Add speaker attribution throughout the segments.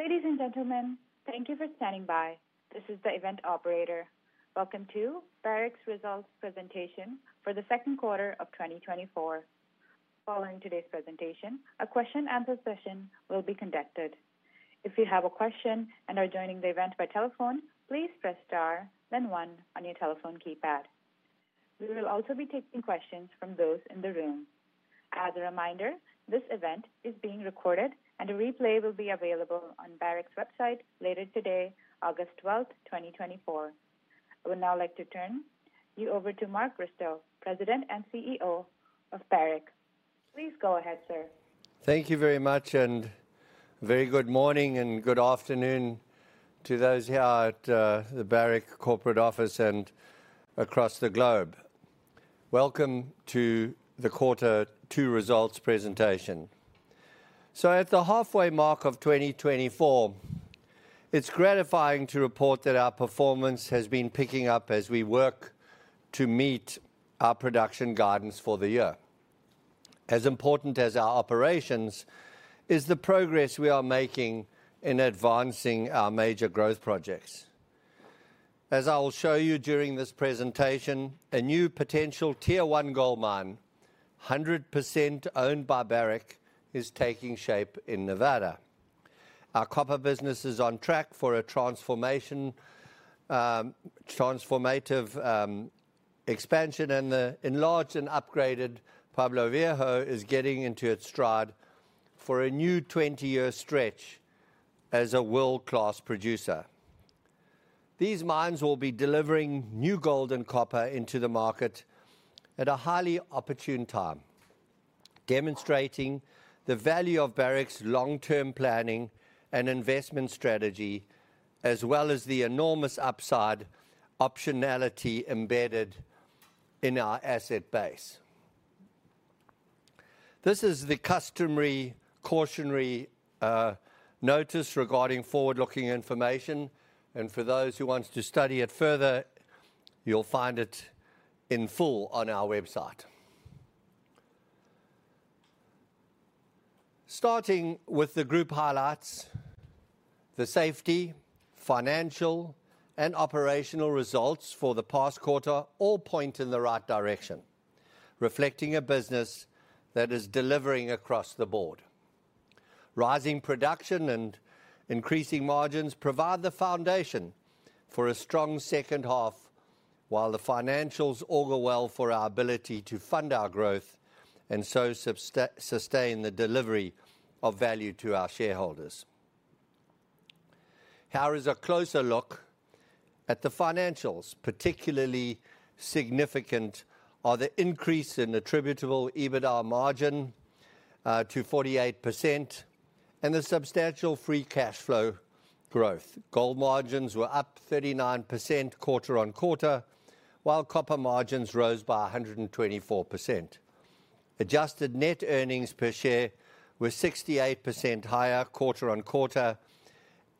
Speaker 1: Ladies and gentlemen, thank you for standing by. This is the event operator. Welcome to Barrick's Results Presentation for the second quarter of 2024. Following today's presentation, a question-and-answer session will be conducted. If you have a question and are joining the event by telephone, please press star, then one on your telephone keypad. We will also be taking questions from those in the room. As a reminder, this event is being recorded and a replay will be available on Barrick's website later today, August 12, 2024. I would now like to turn you over to Mark Bristow, President and CEO of Barrick. Please go ahead, sir.
Speaker 2: Thank you very much, and very good morning and good afternoon to those here at the Barrick corporate office and across the globe. Welcome to the quarter two results presentation. So at the halfway mark of 2024, it's gratifying to report that our performance has been picking up as we work to meet our production guidance for the year. As important as our operations, is the progress we are making in advancing our major growth projects. As I will show you during this presentation, a new potential Tier One gold mine, 100% owned by Barrick, is taking shape in Nevada. Our copper business is on track for a transformative expansion, and the enlarged and upgraded Pueblo Viejo is getting into its stride for a new 20-year stretch as a world-class producer. These mines will be delivering new gold and copper into the market at a highly opportune time, demonstrating the value of Barrick's long-term planning and investment strategy, as well as the enormous upside optionality embedded in our asset base. This is the customary cautionary notice regarding forward-looking information, and for those who want to study it further, you'll find it in full on our website. Starting with the group highlights, the safety, financial, and operational results for the past quarter all point in the right direction, reflecting a business that is delivering across the board. Rising production and increasing margins provide the foundation for a strong second half, while the financials augur well for our ability to fund our growth, and so sustain the delivery of value to our shareholders. Here is a closer look at the financials. Particularly significant are the increase in attributable EBITDA margin to 48% and the substantial free cash flow growth. Gold margins were up 39% quarter-on-quarter, while copper margins rose by 124%. Adjusted net earnings per share were 68% higher quarter-on-quarter,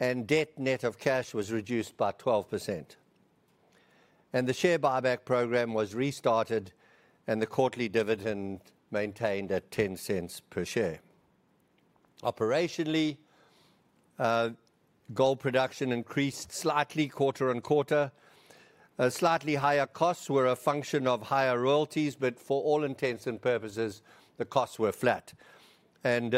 Speaker 2: and debt net of cash was reduced by 12%. The share buyback program was restarted, and the quarterly dividend maintained at $0.10 per share. Operationally, gold production increased slightly quarter-on-quarter. Slightly higher costs were a function of higher royalties, but for all intents and purposes, the costs were flat. The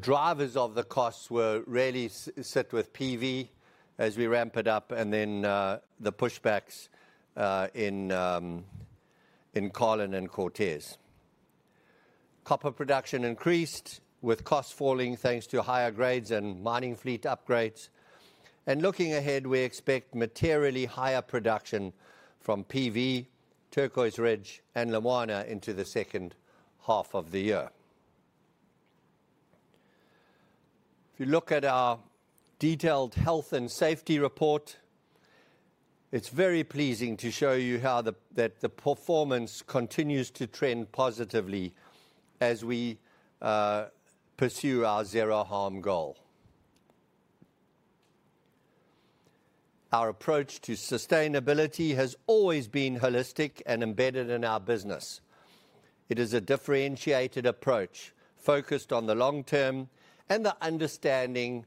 Speaker 2: drivers of the costs were really set with PV as we ramp it up, and then the pushbacks in Carlin and Cortez. Copper production increased, with costs falling thanks to higher grades and mining fleet upgrades. And looking ahead, we expect materially higher production from PV, Turquoise Ridge, and Lumwana into the second half of the year. If you look at our detailed health and safety report, it's very pleasing to show you how the performance continues to trend positively as we pursue our zero harm goal. Our approach to sustainability has always been holistic and embedded in our business. It is a differentiated approach focused on the long term and the understanding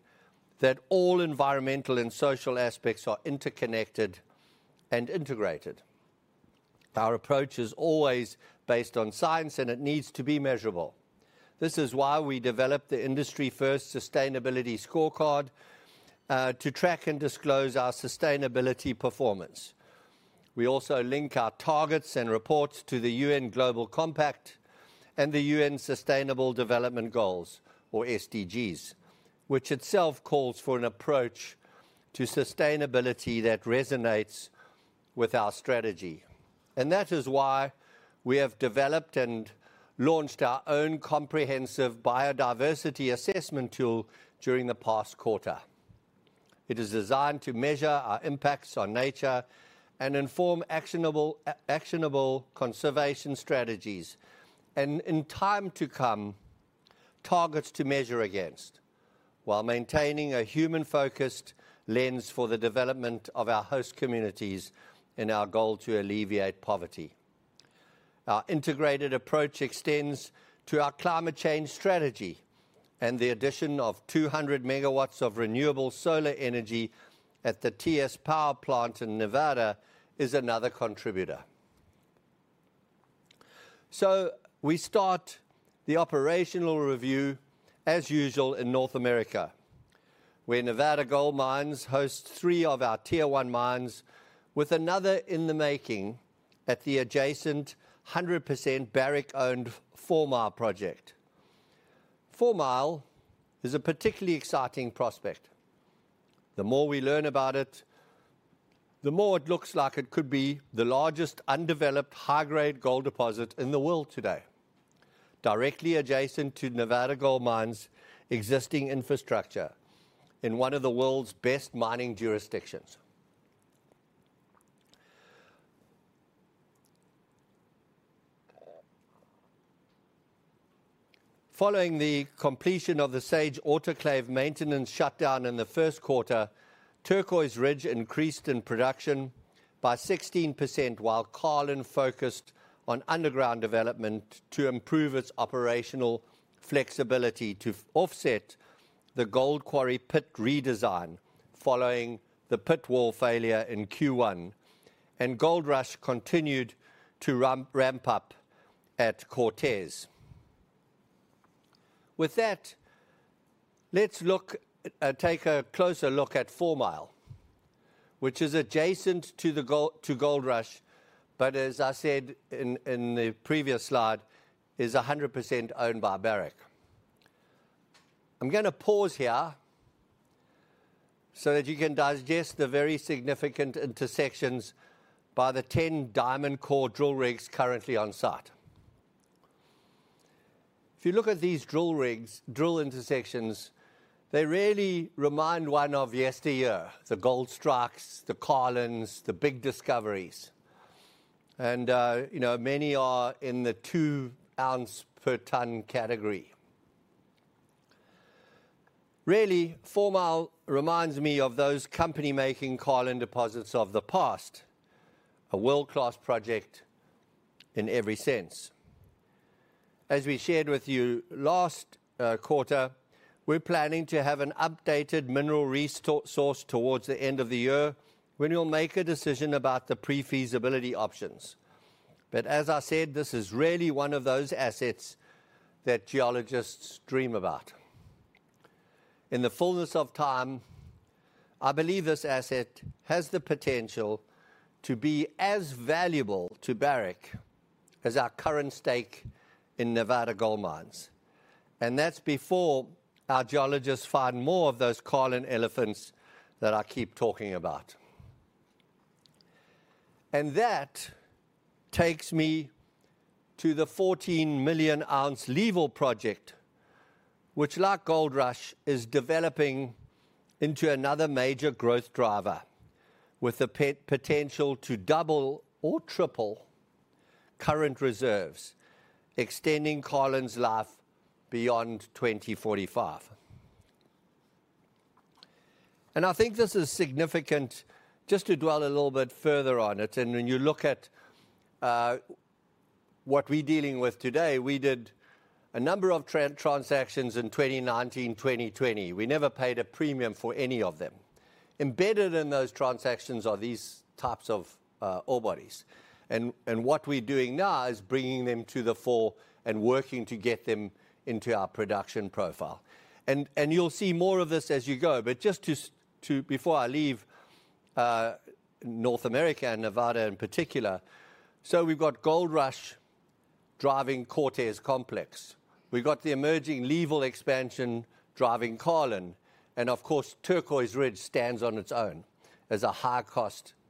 Speaker 2: that all environmental and social aspects are interconnected and integrated. Our approach is always based on science, and it needs to be measurable. This is why we developed the industry-first Sustainability Scorecard to track and disclose our sustainability performance. We also link our targets and reports to the UN Global Compact and the UN Sustainable Development Goals, or SDGs, which itself calls for an approach to sustainability that resonates with our strategy. That is why we have developed and launched our own comprehensive Biodiversity Assessment Tool during the past quarter. It is designed to measure our impacts on nature and inform actionable conservation strategies. And in time to come, targets to measure against, while maintaining a human-focused lens for the development of our host communities in our goal to alleviate poverty. Our integrated approach extends to our climate change strategy, and the addition of 200 MW of renewable solar energy at the TS Power Plant in Nevada is another contributor. So we start the operational review as usual in North America, where Nevada Gold Mines hosts three of our Tier One mines, with another in the making at the adjacent 100% Barrick-owned Fourmile project. Fourmile is a particularly exciting prospect. The more we learn about it, the more it looks like it could be the largest undeveloped, high-grade gold deposit in the world today, directly adjacent to Nevada Gold Mines' existing infrastructure in one of the world's best mining jurisdictions. Following the completion of the Sage autoclave maintenance shutdown in the first quarter, Turquoise Ridge increased in production by 16%, while Carlin focused on underground development to improve its operational flexibility to offset the Gold Quarry pit redesign following the pit wall failure in Q1, and Goldrush continued to ramp up at Cortez. With that, let's look, take a closer look at Fourmile, which is adjacent to the Goldrush, but as I said in the previous slide, is 100% owned by Barrick. I'm gonna pause here so that you can digest the very significant intersections by the 10-diamond core drill rigs currently on site. If you look at these drill rigs, drill intersections, they really remind one of yesteryear, the gold strikes, the Carlin, the big discoveries. And, you know, many are in the two ounce per ton category. Really, Fourmile reminds me of those company-making Carlin deposits of the past, a world-class project in every sense. As we shared with you last quarter, we're planning to have an updated mineral resource towards the end of the year, when we'll make a decision about the pre-feasibility options. But as I said, this is really one of those assets that geologists dream about. In the fullness of time, I believe this asset has the potential to be as valuable to Barrick as our current stake in Nevada Gold Mines, and that's before our geologists find more of those Carlin elephants that I keep talking about. And that takes me to the 14 million-ounce Leeville project, which, like Goldrush, is developing into another major growth driver, with the potential to double or triple current reserves, extending Carlin's life beyond 2045. And I think this is significant, just to dwell a little bit further on it, and when you look at what we're dealing with today, we did a number of transactions in 2019, 2020. We never paid a premium for any of them. Embedded in those transactions are these types of ore bodies, and what we're doing now is bringing them to the fore and working to get them into our production profile. And you'll see more of this as you go, but just before I leave North America and Nevada in particular, so we've got Goldrush driving Cortez complex. We've got the emerging Leeville expansion driving Carlin, and of course, Turquoise Ridge stands on its own as a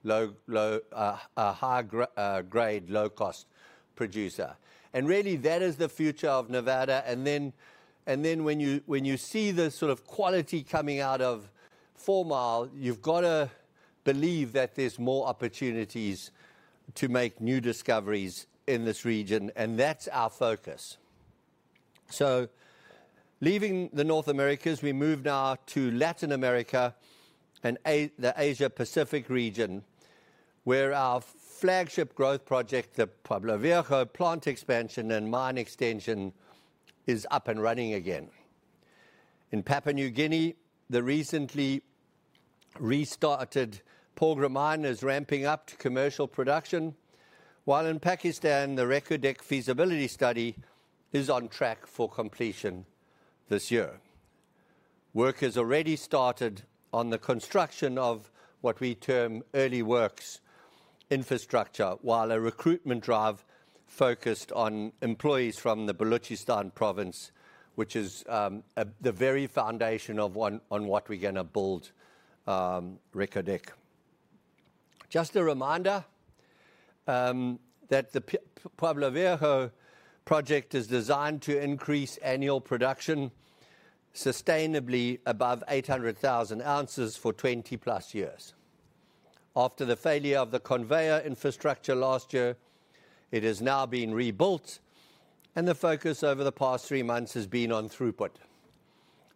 Speaker 2: high-grade, low-cost producer. And really, that is the future of Nevada, and then when you see the sort of quality coming out of Fourmile, you've got to believe that there's more opportunities to make new discoveries in this region, and that's our focus. So leaving North America, we move now to Latin America and the Asia Pacific region, where our flagship growth project, the Pueblo Viejo plant expansion and mine extension, is up and running again. In Papua New Guinea, the recently restarted Porgera mine is ramping up to commercial production, while in Pakistan, the Reko Diq feasibility study is on track for completion this year. Work has already started on the construction of what we term early works infrastructure, while a recruitment drive focused on employees from the Balochistan province, which is at the very foundation of what we're gonna build, Reko Diq. Just a reminder, that the Pueblo Viejo project is designed to increase annual production sustainably above 800,000 ounces for 20+ years. After the failure of the conveyor infrastructure last year, it has now been rebuilt, and the focus over the past 3 months has been on throughput.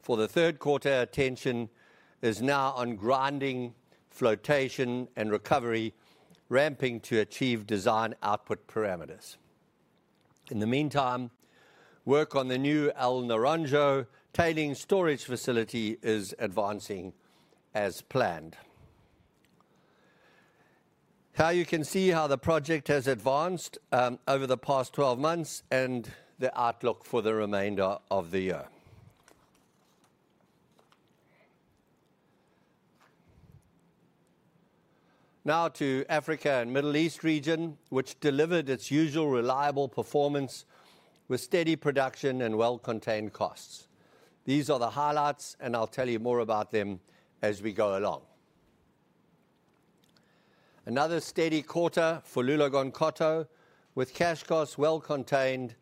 Speaker 2: For the third quarter, attention is now on grinding, flotation, and recovery, ramping to achieve design output parameters. In the meantime, work on the new El Naranjo tailings storage facility is advancing as planned. Here you can see how the project has advanced, over the past 12 months and the outlook for the remainder of the year. Now to Africa and Middle East region, which delivered its usual reliable performance with steady production and well-contained costs. These are the highlights, and I'll tell you more about them as we go along. Another steady quarter for Loulo-Gounkoto, with cash costs well contained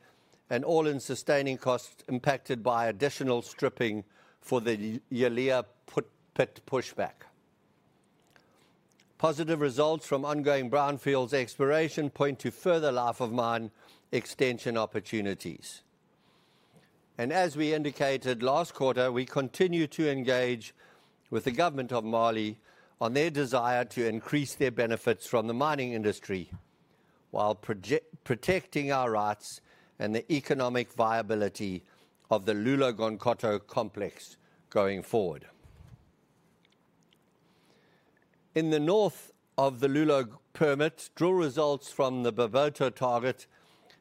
Speaker 2: and all-in sustaining costs impacted by additional stripping for the Yalea pit pushback. Positive results from ongoing brownfields exploration point to further life of mine extension opportunities. As we indicated last quarter, we continue to engage with the government of Mali on their desire to increase their benefits from the mining industry, while protecting our rights and the economic viability of the Loulo-Gounkoto complex going forward. In the north of the Loulo permit, drill results from the Baboto target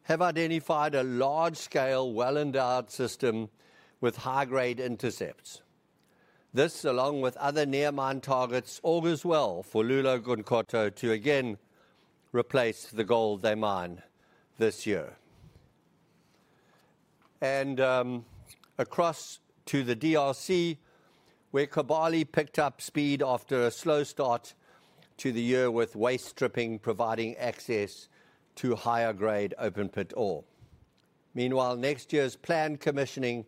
Speaker 2: have identified a large-scale, well-endowed system with high-grade intercepts. This, along with other near mine targets, augurs well for Loulo-Gounkoto to again replace the gold they mine this year. Across to the DRC, where Kibali picked up speed after a slow start to the year with waste stripping, providing access to higher-grade open-pit ore. Meanwhile, next year's planned commissioning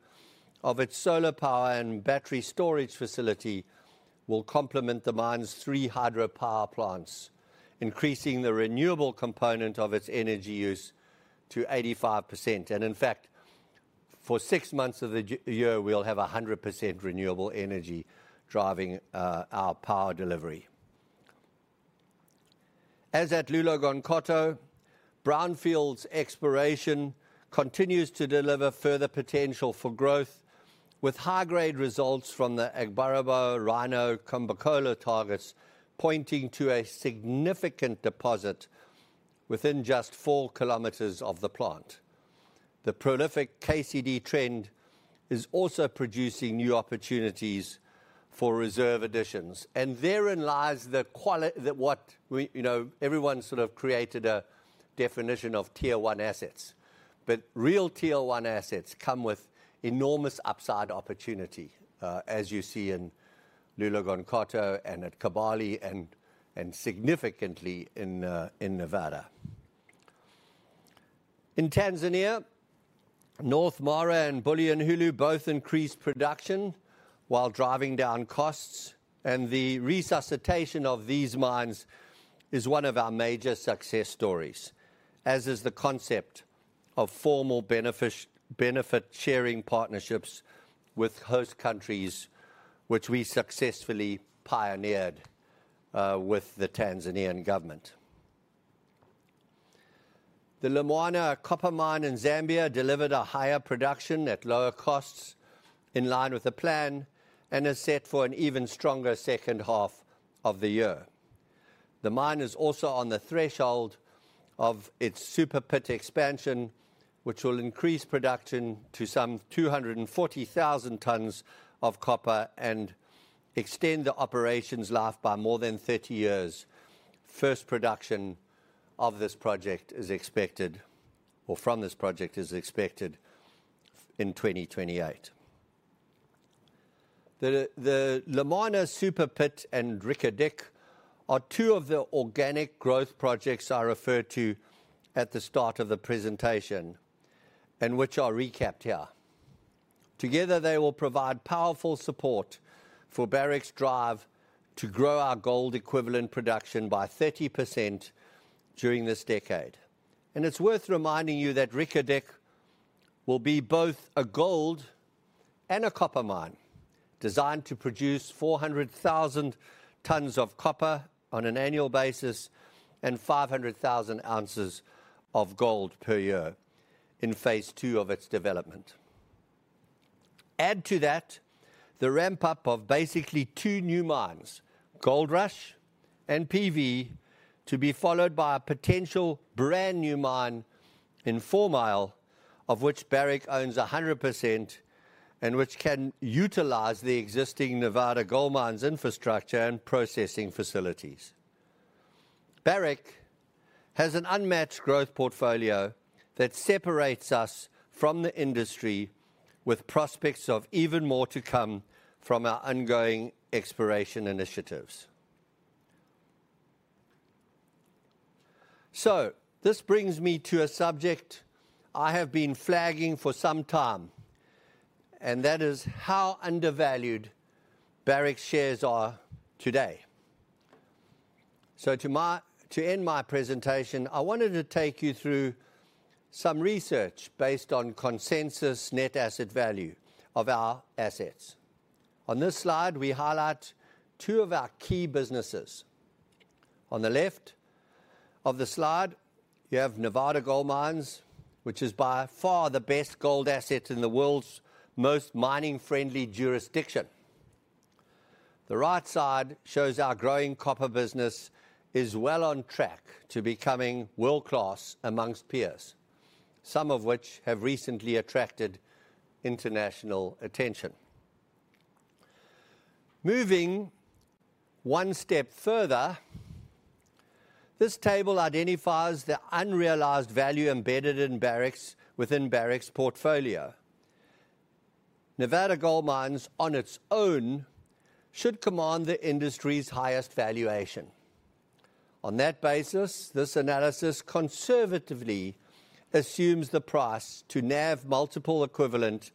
Speaker 2: of its solar power and battery storage facility will complement the mine's three hydropower plants, increasing the renewable component of its energy use to 85%. And in fact, for six months of the year, we'll have 100% renewable energy driving our power delivery. As at Loulo-Gounkoto, brownfields exploration continues to deliver further potential for growth, with high-grade results from the Agbarabo, Rhino, Kombokolo targets pointing to a significant deposit within just four kilometers of the plant. The prolific KCD trend is also producing new opportunities for reserve additions, and therein lies the we, you know, everyone sort of created a definition of Tier One assets, but real Tier One assets come with enormous upside opportunity, as you see in Loulo-Gounkoto and at Kibali and, and significantly in Nevada. In Tanzania, North Mara and Bulyanhulu both increased production while driving down costs, and the resuscitation of these mines is one of our major success stories, as is the concept of formal benefit sharing partnerships with host countries, which we successfully pioneered with the Tanzanian government. The Lumwana copper mine in Zambia delivered a higher production at lower costs in line with the plan and is set for an even stronger second half of the year. The mine is also on the threshold of its Super Pit expansion, which will increase production to some 240,000 tons of copper and extend the operation's life by more than 30 years. First production of this project is expected, or from this project, is expected in 2028. The Lumwana Super Pit and Reko Diq are two of the organic growth projects I referred to at the start of the presentation and which are recapped here. Together, they will provide powerful support for Barrick's drive to grow our gold-equivalent production by 30% during this decade. And it's worth reminding you that Reko Diq will be both a gold and a copper mine, designed to produce 400,000 tons of copper on an annual basis and 500,000 ounces of gold per year in phase two of its development. Add to that the ramp-up of basically two new mines, Goldrush and PV, to be followed by a potential brand-new mine in Fourmile, of which Barrick owns 100% and which can utilize the existing Nevada Gold Mines infrastructure and processing facilities. Barrick has an unmatched growth portfolio that separates us from the industry, with prospects of even more to come from our ongoing exploration initiatives.... So this brings me to a subject I have been flagging for some time, and that is how undervalued Barrick shares are today. So to end my presentation, I wanted to take you through some research based on consensus net asset value of our assets. On this slide, we highlight two of our key businesses. On the left of the slide, you have Nevada Gold Mines, which is by far the best gold asset in the world's most mining-friendly jurisdiction. The right side shows our growing copper business is well on track to becoming world-class amongst peers, some of which have recently attracted international attention. Moving one step further, this table identifies the unrealized value embedded within Barrick's portfolio. Nevada Gold Mines, on its own, should command the industry's highest valuation. On that basis, this analysis conservatively assumes the price to NAV multiple equivalent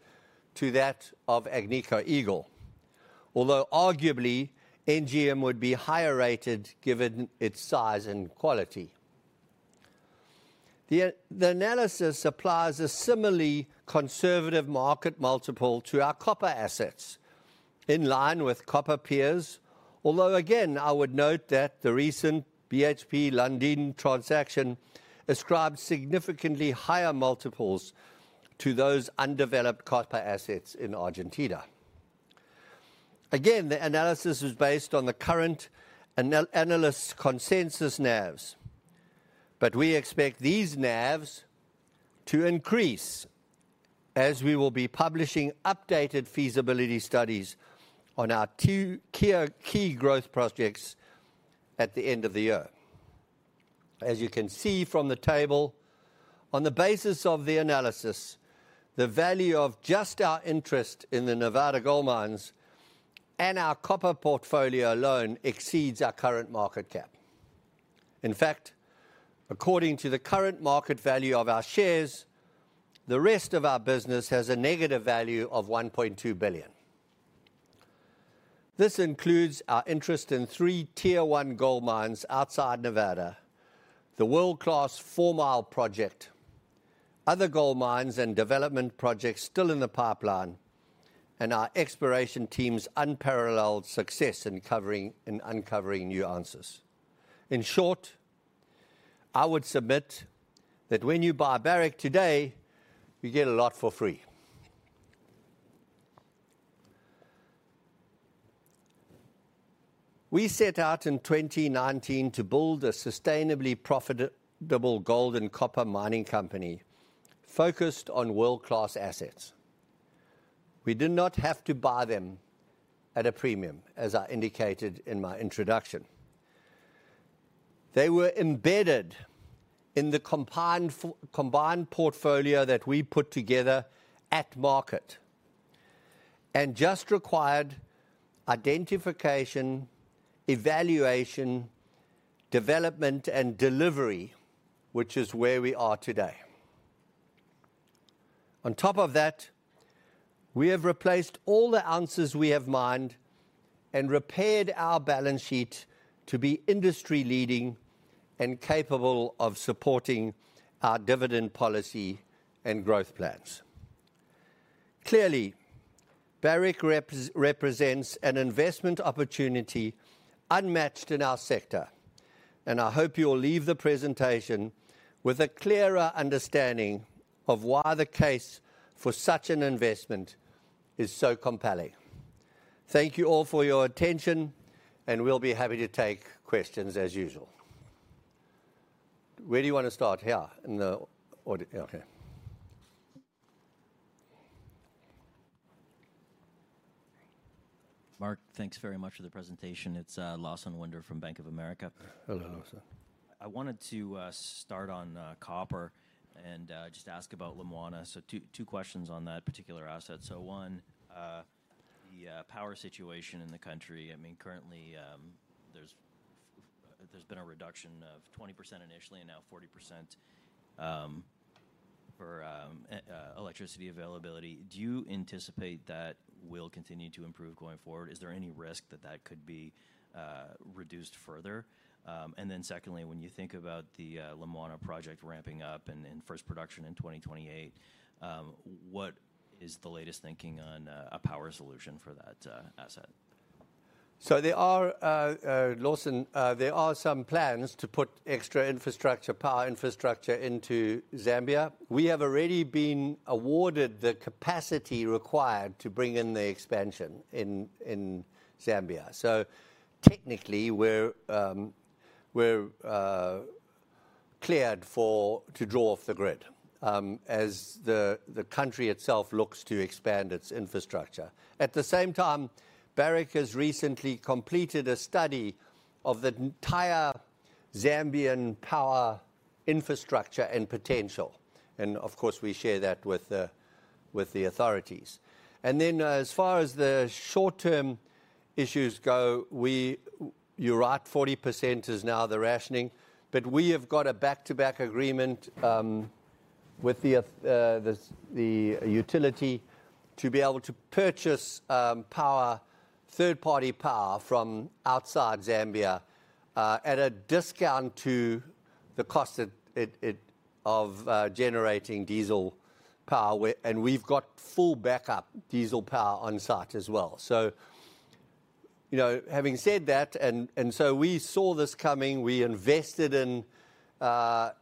Speaker 2: to that of Agnico Eagle, although arguably, NGM would be higher rated given its size and quality. The analysis applies a similarly conservative market multiple to our copper assets, in line with copper peers. Although again, I would note that the recent BHP Lundin transaction ascribed significantly higher multiples to those undeveloped copper assets in Argentina. Again, the analysis is based on the current analyst consensus NAVs, but we expect these NAVs to increase as we will be publishing updated feasibility studies on our two key growth projects at the end of the year. As you can see from the table, on the basis of the analysis, the value of just our interest in the Nevada Gold Mines and our copper portfolio alone exceeds our current market cap. In fact, according to the current market value of our shares, the rest of our business has a negative value of $1.2 billion. This includes our interest in three Tier One gold mines outside Nevada, the world-class Fourmile project, other gold mines and development projects still in the pipeline, and our exploration team's unparalleled success in uncovering new ounces. In short, I would submit that when you buy Barrick today, you get a lot for free. We set out in 2019 to build a sustainably profitable gold and copper mining company focused on world-class assets. We did not have to buy them at a premium, as I indicated in my introduction. They were embedded in the combined portfolio that we put together at market and just required identification, evaluation, development, and delivery, which is where we are today. On top of that, we have replaced all the ounces we have mined and repaired our balance sheet to be industry-leading and capable of supporting our dividend policy and growth plans. Clearly, Barrick represents an investment opportunity unmatched in our sector, and I hope you will leave the presentation with a clearer understanding of why the case for such an investment is so compelling. Thank you all for your attention, and we'll be happy to take questions as usual. Where do you want to start? Here, in the audience. Okay.
Speaker 3: Mark, thanks very much for the presentation. It's Lawson Winder from Bank of America.
Speaker 2: Hello, Lawson.
Speaker 3: I wanted to start on copper and just ask about Lumwana. So two, two questions on that particular asset. So, one, the power situation in the country. I mean, currently, there's, there's been a reduction of 20% initially and now 40%, for electricity availability. Do you anticipate that will continue to improve going forward? Is there any risk that that could be reduced further? And then secondly, when you think about the Lumwana project ramping up and first production in 2028, what is the latest thinking on a power solution for that asset?
Speaker 2: So there are, Lawson, there are some plans to put extra infrastructure, power infrastructure into Zambia. We have already been awarded the capacity required to bring in the expansion in Zambia. So technically, we're cleared to draw off the grid, as the country itself looks to expand its infrastructure. At the same time, Barrick has recently completed a study of the entire Zambian power infrastructure and potential, and of course, we share that with the authorities. And then, as far as the short-term issues go, you're right, 40% is now the rationing, but we have got a back-to-back agreement with the utility to be able to purchase power, third-party power from outside Zambia, at a discount to the cost that it... Of generating diesel power and we've got full backup diesel power on site as well. So, you know, having said that, so we saw this coming. We invested in our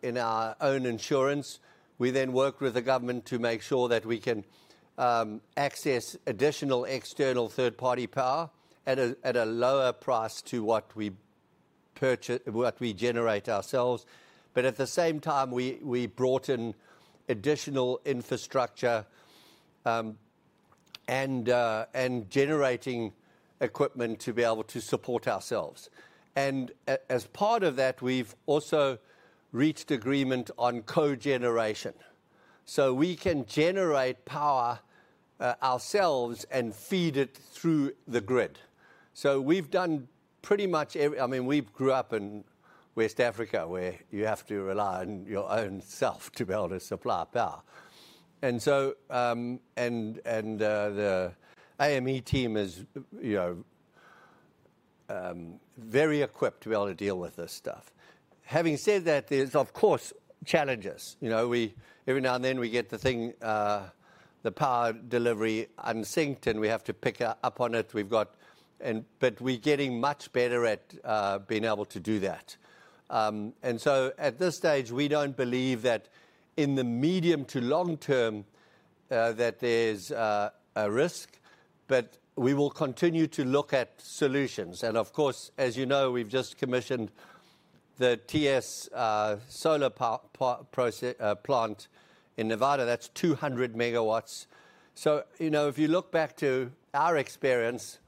Speaker 2: own insurance. We then worked with the government to make sure that we can access additional external third-party power at a lower price to what we generate ourselves, but at the same time, we brought in additional infrastructure and generating equipment to be able to support ourselves. And as part of that, we've also reached agreement on cogeneration, so we can generate power ourselves and feed it through the grid. So we've done pretty much everything. I mean, we've grew up in West Africa, where you have to rely on your own self to be able to supply power. And so, the AME team is, you know, very equipped to be able to deal with this stuff. Having said that, there's of course challenges. You know, every now and then, we get the thing, the power delivery unsynced, and we have to pick up on it. We've got and but we're getting much better at being able to do that. And so at this stage, we don't believe that in the medium to long term that there's a risk, but we will continue to look at solutions. And of course, as you know, we've just commissioned the TS solar power plant in Nevada. That's 200 MW. So, you know, if you look back to our experience,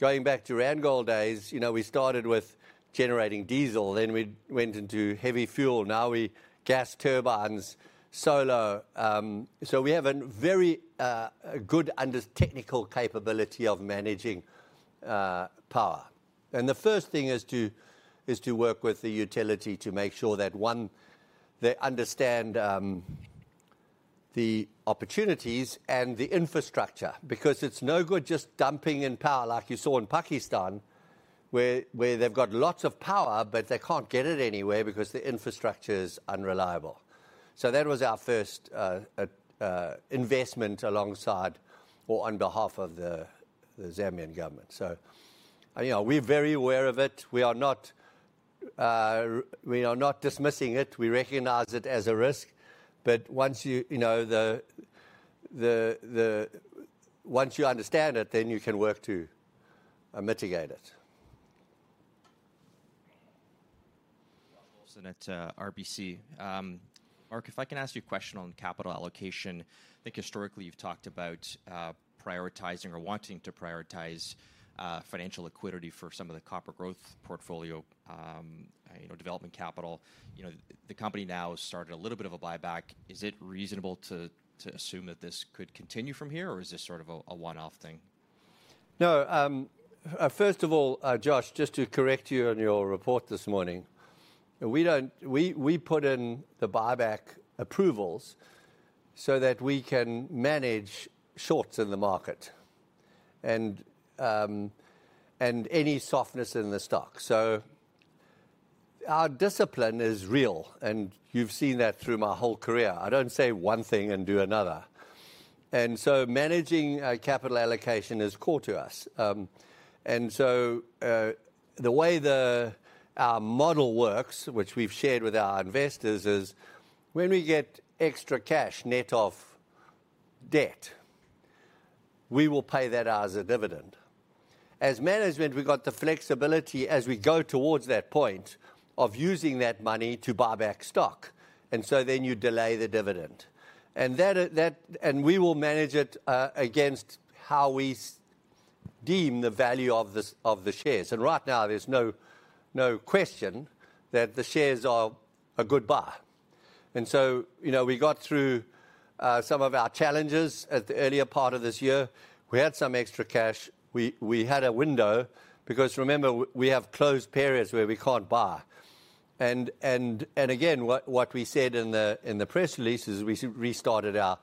Speaker 2: going back to Randgold days, you know, we started with generating diesel, then we went into heavy fuel, now we gas turbines, solar. So we have a very good understanding of the technical capability of managing power. And the first thing is to work with the utility to make sure that, one, they understand the opportunities and the infrastructure, because it's no good just dumping in power like you saw in Pakistan, where they've got lots of power, but they can't get it anywhere because the infrastructure is unreliable. So that was our first investment alongside or on behalf of the Zambian government. So, you know, we're very aware of it. We are not dismissing it. We recognize it as a risk, but once you, you know, Once you understand it, then you can work to mitigate it.
Speaker 4: Wolfson at RBC. Mark, if I can ask you a question on capital allocation. I think historically, you've talked about prioritizing or wanting to prioritize financial liquidity for some of the copper growth portfolio, you know, development capital. You know, the company now has started a little bit of a buyback. Is it reasonable to assume that this could continue from here, or is this sort of a one-off thing?
Speaker 2: No, first of all, Josh, just to correct you on your report this morning, we don't, we put in the buyback approvals so that we can manage shorts in the market and any softness in the stock. So our discipline is real, and you've seen that through my whole career. I don't say one thing and do another. Managing capital allocation is core to us. The way our model works, which we've shared with our investors, is when we get extra cash net of debt, we will pay that out as a dividend. As management, we've got the flexibility as we go towards that point of using that money to buy back stock, and so then you delay the dividend. And that, that... We will manage it against how we deem the value of the shares. And right now, there's no question that the shares are a good buy. And so, you know, we got through some of our challenges at the earlier part of this year. We had some extra cash. We had a window, because remember, we have closed periods where we can't buy. And again, what we said in the press release is we restarted our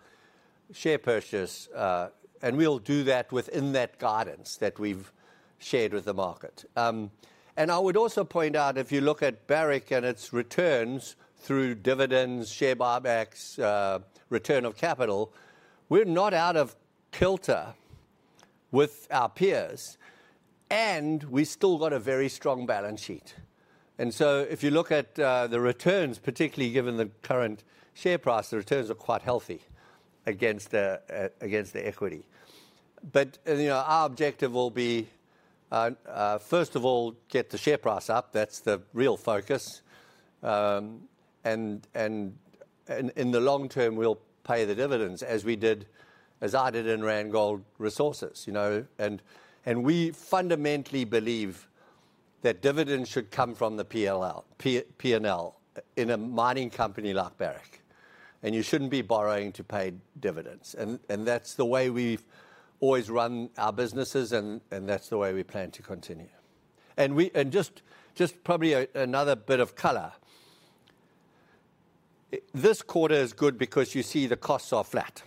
Speaker 2: share purchase, and we'll do that within that guidance that we've shared with the market. And I would also point out, if you look at Barrick and its returns through dividends, share buybacks, return of capital, we're not out of kilter with our peers, and we've still got a very strong balance sheet. If you look at the returns, particularly given the current share price, the returns are quite healthy against the equity. But, you know, our objective will be first of all, get the share price up. That's the real focus. And in the long term, we'll pay the dividends as we did, as I did in Randgold Resources, you know? And we fundamentally believe that dividends should come from the P&L in a mining company like Barrick, and you shouldn't be borrowing to pay dividends. And that's the way we've always run our businesses, and that's the way we plan to continue. And just probably another bit of color. This quarter is good because you see the costs are flat,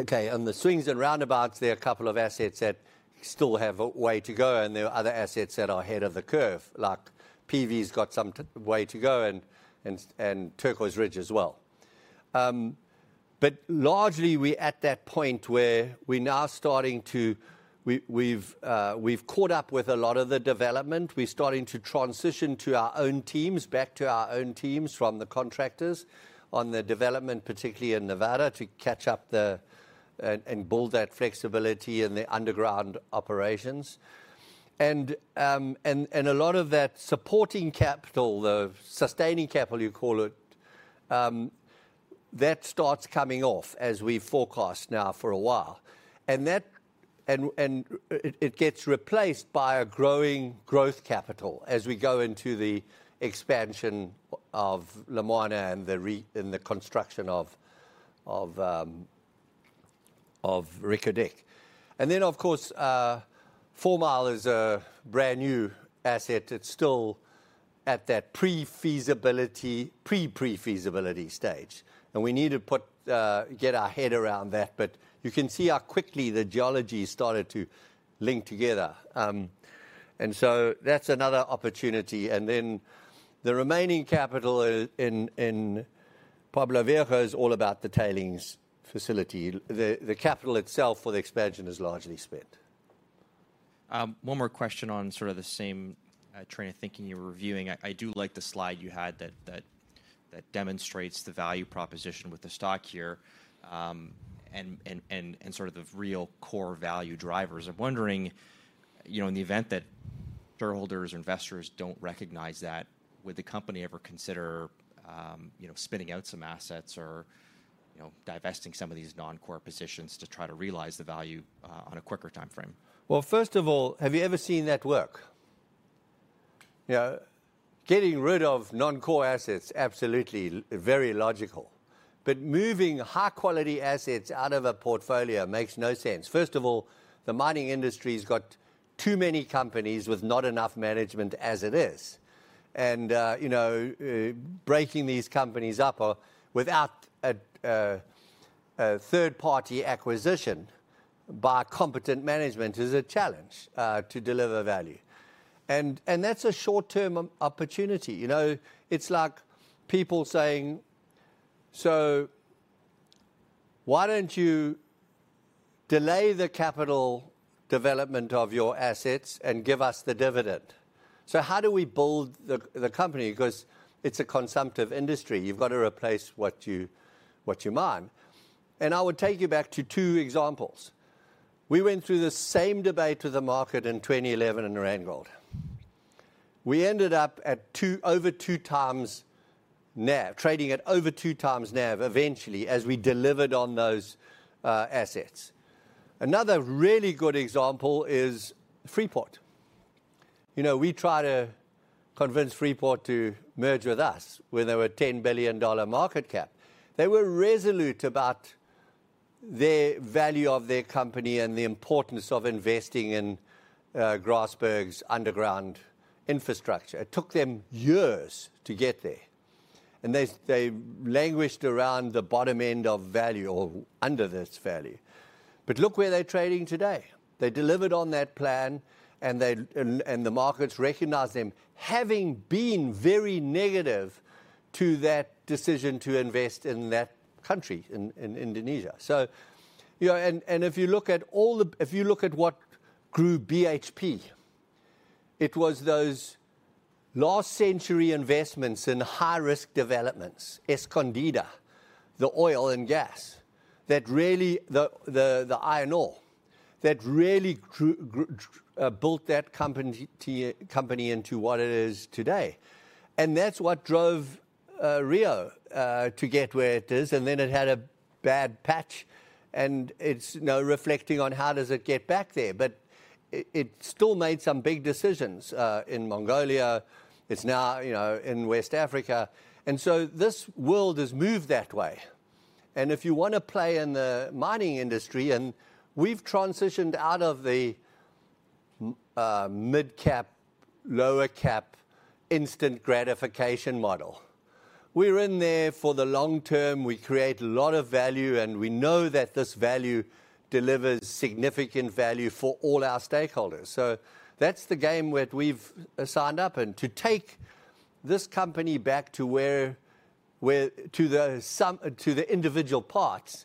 Speaker 2: okay? On the swings and roundabouts, there are a couple of assets that still have a way to go, and there are other assets that are ahead of the curve, like PV's got some t- way to go, and Turquoise Ridge as well. But largely, we're at that point where we're now starting to. We, we've, we've caught up with a lot of the development. We're starting to transition to our own teams, back to our own teams from the contractors on the development, particularly in Nevada, to catch up the, and build that flexibility in the underground operations. And a lot of that supporting capital, the sustaining capital, you call it, that starts coming off, as we forecast now for a while. And that gets replaced by a growing growth capital as we go into the expansion of Lumwana and the construction of Reko Diq. And then, of course, Fourmile is a brand-new asset. It's still at that pre-feasibility, pre-pre-feasibility stage, and we need to get our head around that. But you can see how quickly the geology started to link together. And so that's another opportunity. And then, the remaining capital in Pueblo Viejo is all about the tailings facility. The capital itself for the expansion is largely spent.
Speaker 4: One more question on sort of the same train of thinking you're reviewing. I do like the slide you had that demonstrates the value proposition with the stock here, and sort of the real core value drivers. I'm wondering, you know, in the event that shareholders or investors don't recognize that, would the company ever consider, you know, spinning out some assets or, you know, divesting some of these non-core positions to try to realize the value on a quicker timeframe?
Speaker 2: Well, first of all, have you ever seen that work? You know, getting rid of non-core assets, absolutely very logical, but moving high-quality assets out of a portfolio makes no sense. First of all, the mining industry's got too many companies with not enough management as it is, and you know, breaking these companies up without a third-party acquisition by competent management is a challenge to deliver value. And that's a short-term opportunity. You know, it's like people saying: "So why don't you delay the capital development of your assets and give us the dividend?" So how do we build the company? Because it's a consumptive industry. You've got to replace what you mine. And I would take you back to two examples. We went through the same debate with the market in 2011 in Randgold. We ended up at two-over two times NAV, trading at over two times NAV, eventually, as we delivered on those assets. Another really good example is Freeport. You know, we tried to convince Freeport to merge with us when they were a $10 billion market cap. They were resolute about their value of their company and the importance of investing in Grasberg's underground infrastructure. It took them years to get there, and they languished around the bottom end of value or under this value. But look where they're trading today. They delivered on that plan, and the markets recognized them, having been very negative to that decision to invest in that country, in Indonesia. So, you know, if you look at what grew BHP, it was those last-century investments in high-risk developments, Escondida, the oil and gas, that really, the iron ore, that really built that company into what it is today. And that's what drove Rio to get where it is, and then it had a bad patch, and it's now reflecting on how does it get back there. But it still made some big decisions in Mongolia. It's now, you know, in West Africa. And so this world has moved that way. And if you want to play in the mining industry, and we've transitioned out of the mid-cap, low-cap, instant gratification model. We're in there for the long term. We create a lot of value, and we know that this value delivers significant value for all our stakeholders. So that's the game that we've signed up. And to take this company back to where to the individual parts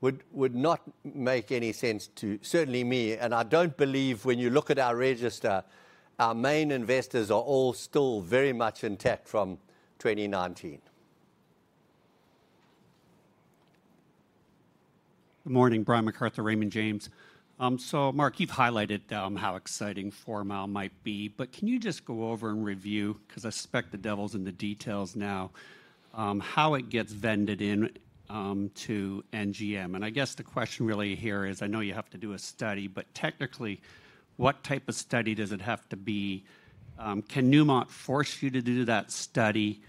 Speaker 2: would not make any sense to certainly me, and I don't believe when you look at our register, our main investors are all still very much intact from 2019.
Speaker 5: Good morning, Brian MacArthur, Raymond James. So Mark, you've highlighted how exciting Fourmile might be, but can you just go over and review, because I suspect the devil's in the details now, how it gets vended in to NGM? And I guess the question really here is, I know you have to do a study, but technically, what type of study does it have to be? Can Newmont force you to do that study?...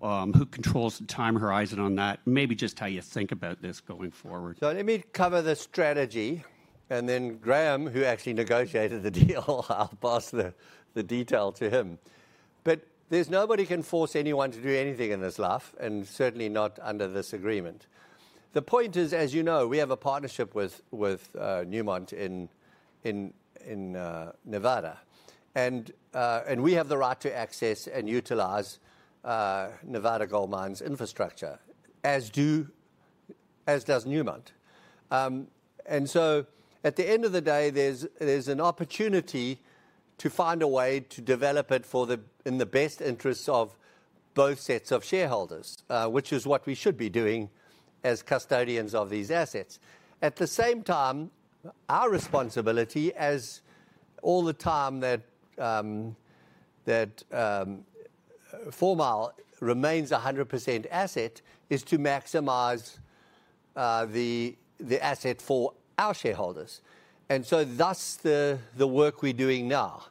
Speaker 5: who controls the time horizon on that? Maybe just how you think about this going forward.
Speaker 2: So let me cover the strategy, and then Graham, who actually negotiated the deal, I'll pass the detail to him. But there's nobody can force anyone to do anything in this life, and certainly not under this agreement. The point is, as you know, we have a partnership with Newmont in Nevada. And we have the right to access and utilize Nevada Gold Mines' infrastructure, as does Newmont. And so at the end of the day, there's an opportunity to find a way to develop it for the in the best interests of both sets of shareholders, which is what we should be doing as custodians of these assets. At the same time, our responsibility all the time that Fourmile remains a 100% asset is to maximize the asset for our shareholders. And so thus, the work we're doing now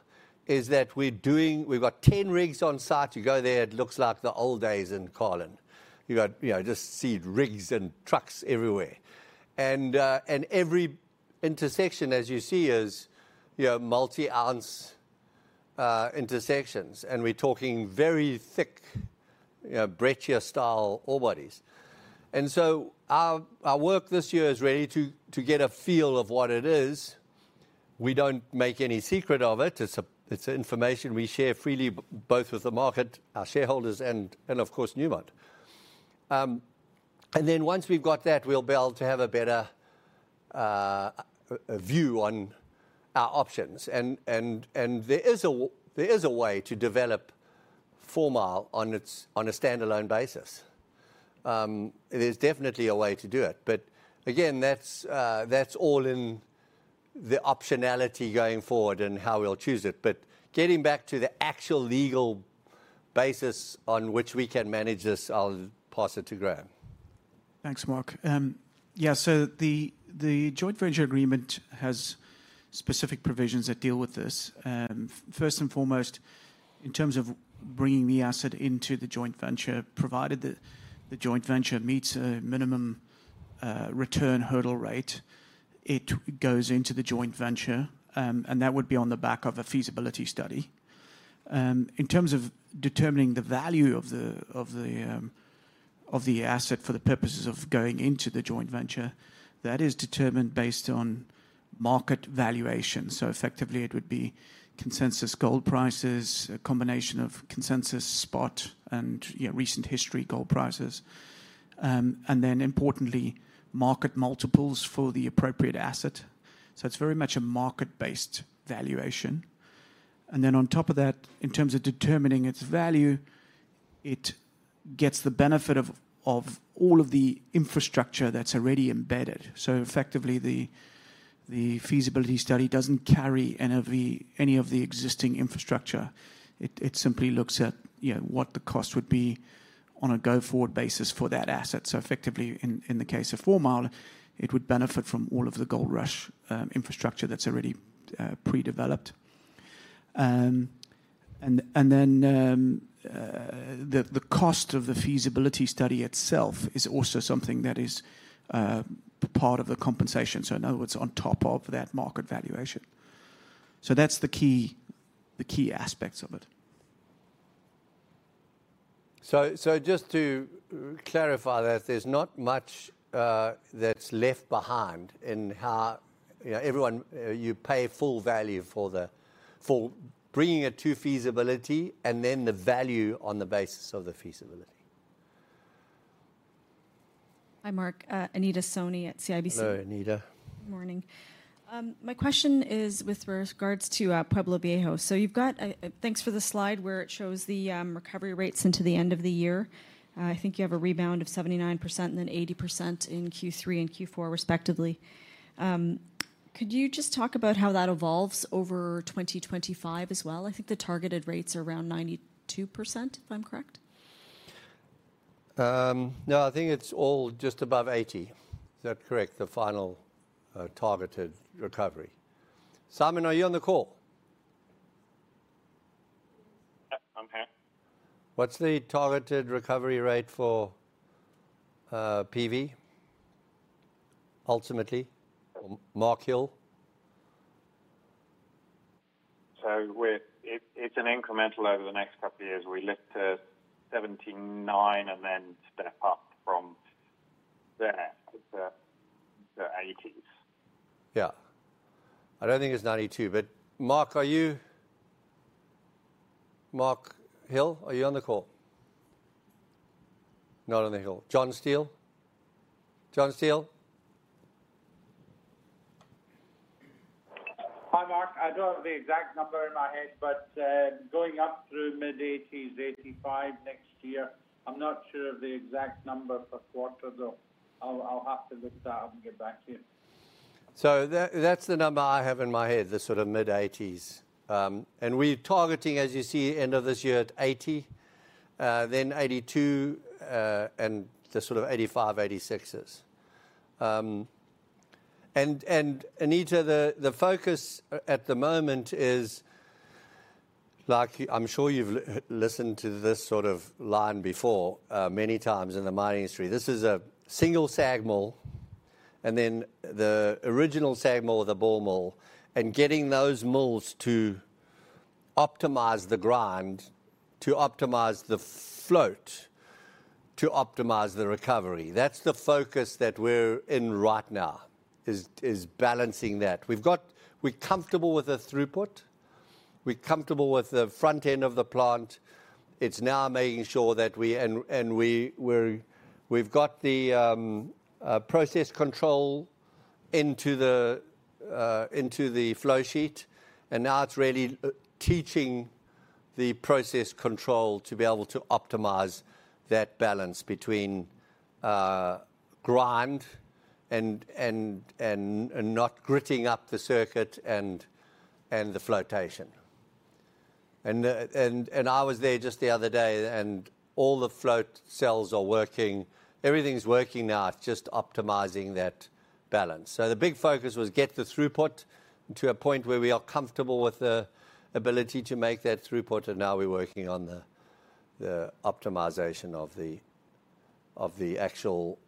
Speaker 2: is that we're doing—we've got 10 rigs on site. You go there, it looks like the old days in Carlin. You got... You know, just see rigs and trucks everywhere. And every intersection, as you see, is, you know, multi-ounce intersections, and we're talking very thick breccia-style ore bodies. And so our work this year is really to get a feel of what it is. We don't make any secret of it. It's information we share freely both with the market, our shareholders, and of course, Newmont. And then once we've got that, we'll be able to have a better view on our options. And there is a way to develop Fourmile on a standalone basis. There's definitely a way to do it. But again, that's all in the optionality going forward and how we'll choose it. But getting back to the actual legal basis on which we can manage this, I'll pass it to Graham.
Speaker 6: Thanks, Mark. Yeah, so the joint venture agreement has specific provisions that deal with this. First and foremost, in terms of bringing the asset into the joint venture, provided the joint venture meets a minimum return hurdle rate, it goes into the joint venture, and that would be on the back of a feasibility study. In terms of determining the value of the asset for the purposes of going into the joint venture, that is determined based on market valuation. So effectively, it would be consensus gold prices, a combination of consensus spot and, you know, recent history gold prices, and then importantly, market multiples for the appropriate asset. So it's very much a market-based valuation. And then on top of that, in terms of determining its value, it gets the benefit of all of the infrastructure that's already embedded. So effectively, the feasibility study doesn't carry any of the existing infrastructure. It simply looks at, you know, what the cost would be on a go-forward basis for that asset. So effectively, in the case of Fourmile, it would benefit from all of the Goldrush infrastructure that's already pre-developed. And then, the cost of the feasibility study itself is also something that is part of the compensation, so in other words, on top of that market valuation. So that's the key aspects of it.
Speaker 2: Just to clarify that, there's not much that's left behind in how... You know, everyone you pay full value for bringing it to feasibility and then the value on the basis of the feasibility.
Speaker 7: Hi, Mark. Anita Soni at CIBC.
Speaker 2: Hello, Anita.
Speaker 7: Morning. My question is with regards to Pueblo Viejo. So you've got a, thanks for the slide where it shows the recovery rates into the end of the year. I think you have a rebound of 79% and then 80% in Q3 and Q4, respectively. Could you just talk about how that evolves over 2025 as well? I think the targeted rates are around 92%, if I'm correct.
Speaker 2: No, I think it's all just above 80. Is that correct, the final targeted recovery? Simon, are you on the call?
Speaker 8: Yep, I'm here.
Speaker 2: What's the targeted recovery rate for PV, ultimately, Mark Hill?
Speaker 8: So we're, it's an incremental over the next couple of years. We lift to 79 and then step up from there to the 80s.
Speaker 2: Yeah. I don't think it's 92, but Mark, are you... Mark Hill, are you on the call? Not on the Hill. John Steele? John Steele?
Speaker 9: Hi, Mark. I don't have the exact number in my head, but, going up through mid-80s, 85 next year. I'm not sure of the exact number per quarter, though. I'll, I'll have to look that up and get back to you.
Speaker 2: So that's the number I have in my head, the sort of mid-80s. We're targeting, as you see, end of this year at 80, then 82, and the sort of 85, 86s. And, and, Anita, the, the focus at the moment is, like, I'm sure you've listened to this sort of line before, many times in the mining industry. This is a single SAG mill, and then the original SAG mill or the ball mill, and getting those mills to optimize the grind, to optimize the float, to optimize the recovery. That's the focus that we're in right now, is, is balancing that. We're comfortable with the throughput. We're comfortable with the front end of the plant. It's now making sure that we... We've got the process control into the flow sheet, and now it's really teaching the process control to be able to optimize that balance between grind and not gritting up the circuit and the flotation. And I was there just the other day, and all the float cells are working. Everything's working now. It's just optimizing that balance. So the big focus was get the throughput to a point where we are comfortable with the ability to make that throughput, and now we're working on the optimization of the actual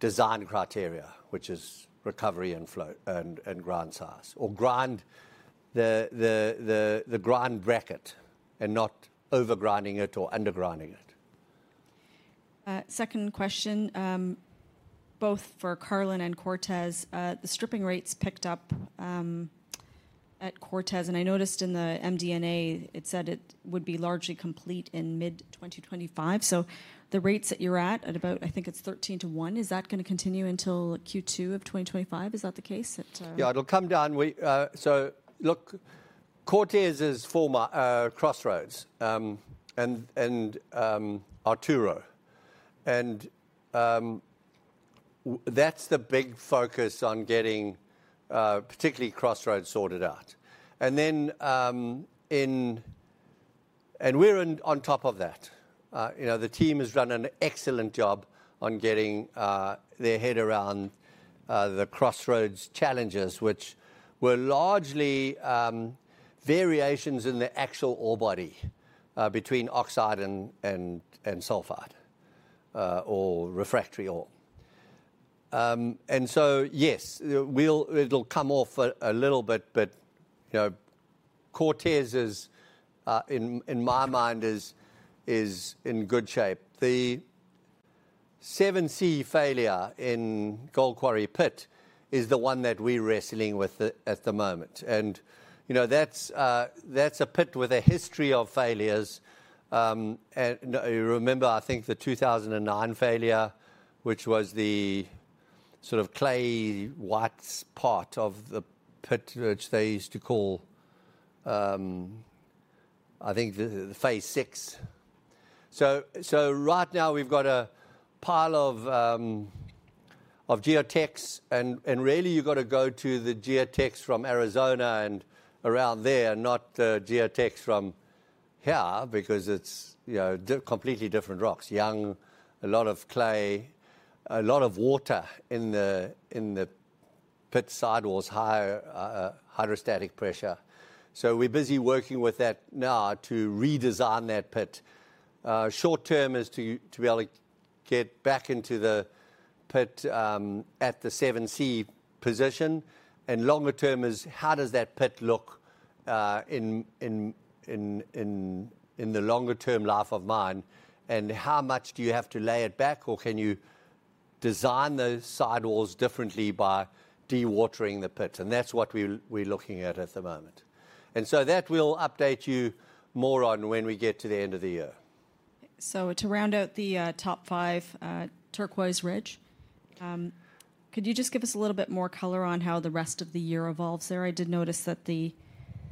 Speaker 2: design criteria, which is recovery and float and grind size, or grind, the grind bracket and not over-grinding it or under-grinding it.
Speaker 7: Second question, both for Carlin and Cortez. The stripping rates picked up at Cortez, and I noticed in the MD&A, it said it would be largely complete in mid-2025. So the rates that you're at, at about, I think, it's 13 to one, is that gonna continue until Q2 of 2025? Is that the case that,
Speaker 2: Yeah, it'll come down. We... So look, Cortez is formed Crossroads and Arturo. That's the big focus on getting particularly Crossroads sorted out. And then we're on top of that. You know, the team has done an excellent job on getting their head around the Crossroads challenges, which were largely variations in the actual ore body between oxide and sulfide or refractory ore. And so yes, it'll come off a little bit, but you know, Cortez is in my mind in good shape. The 7C failure in Gold Quarry pit is the one that we're wrestling with at the moment, and you know, that's a pit with a history of failures. And, you know, you remember, I think, the 2009 failure, which was the sort of clay, whites part of the pit, which they used to call, I think the, the phase VI. So right now we've got a pile of geotechs, and really, you've got to go to the geotechs from Arizona and around there, not the geotechs from here, because it's, you know, completely different rocks. Young, a lot of clay, a lot of water in the pit sidewalls, higher hydrostatic pressure. So we're busy working with that now to redesign that pit. Short term is to be able to get back into the pit at the 7C position, and longer term is, how does that pit look in the longer-term life of mine? How much do you have to lay it back, or can you design those sidewalls differently by dewatering the pit? That's what we're, we're looking at at the moment. So that we'll update you more on when we get to the end of the year.
Speaker 7: So to round out the top five, Turquoise Ridge, could you just give us a little bit more color on how the rest of the year evolves there? I did notice that the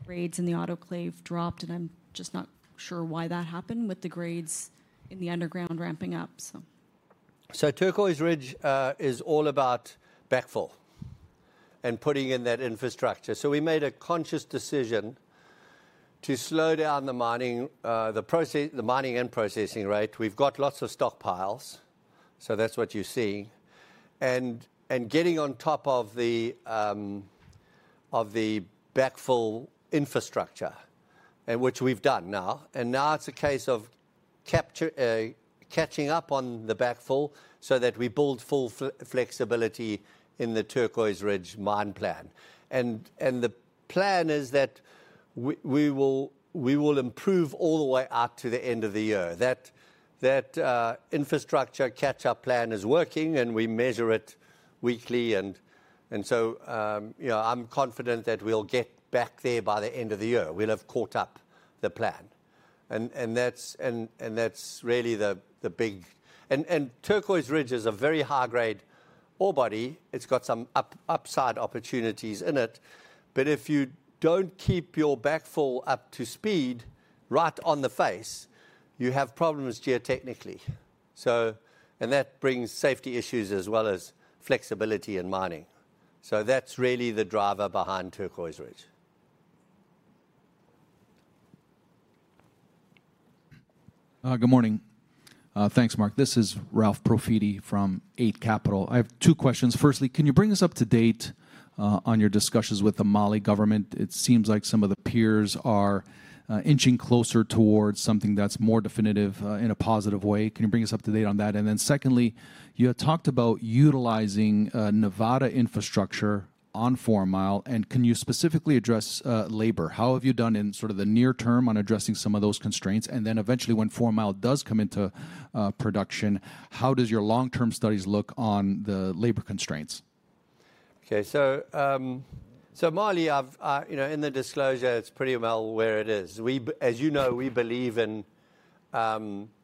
Speaker 7: grades in the autoclave dropped, and I'm just not sure why that happened with the grades in the underground ramping up, so.
Speaker 2: So Turquoise Ridge is all about backfill and putting in that infrastructure. So we made a conscious decision to slow down the mining, the mining and processing rate. We've got lots of stockpiles, so that's what you're seeing. And getting on top of the backfill infrastructure, and which we've done now, and now it's a case of catching up on the backfill so that we build full flexibility in the Turquoise Ridge mine plan. And the plan is that we will improve all the way out to the end of the year. That infrastructure catch-up plan is working, and we measure it weekly, and so, you know, I'm confident that we'll get back there by the end of the year. We'll have caught up the plan. And that's really the big... And Turquoise Ridge is a very high-grade ore body. It's got some upside opportunities in it, but if you don't keep your backfill up to speed, right on the face, you have problems geotechnically. So that brings safety issues as well as flexibility in mining. So that's really the driver behind Turquoise Ridge....
Speaker 10: Good morning. Thanks, Mark. This is Ralph Profiti from Eight Capital. I have two questions. Firstly, can you bring us up to date on your discussions with the Mali government? It seems like some of the peers are inching closer towards something that's more definitive in a positive way. Can you bring us up to date on that? And then secondly, you had talked about utilizing Nevada infrastructure on Fourmile, and can you specifically address labor? How have you done in sort of the near term on addressing some of those constraints? And then eventually, when Fourmile does come into production, how does your long-term studies look on the labor constraints?
Speaker 2: Okay, so, Mali I've, you know, in the disclosure, it's pretty well where it is. We, as you know, we believe in, sharing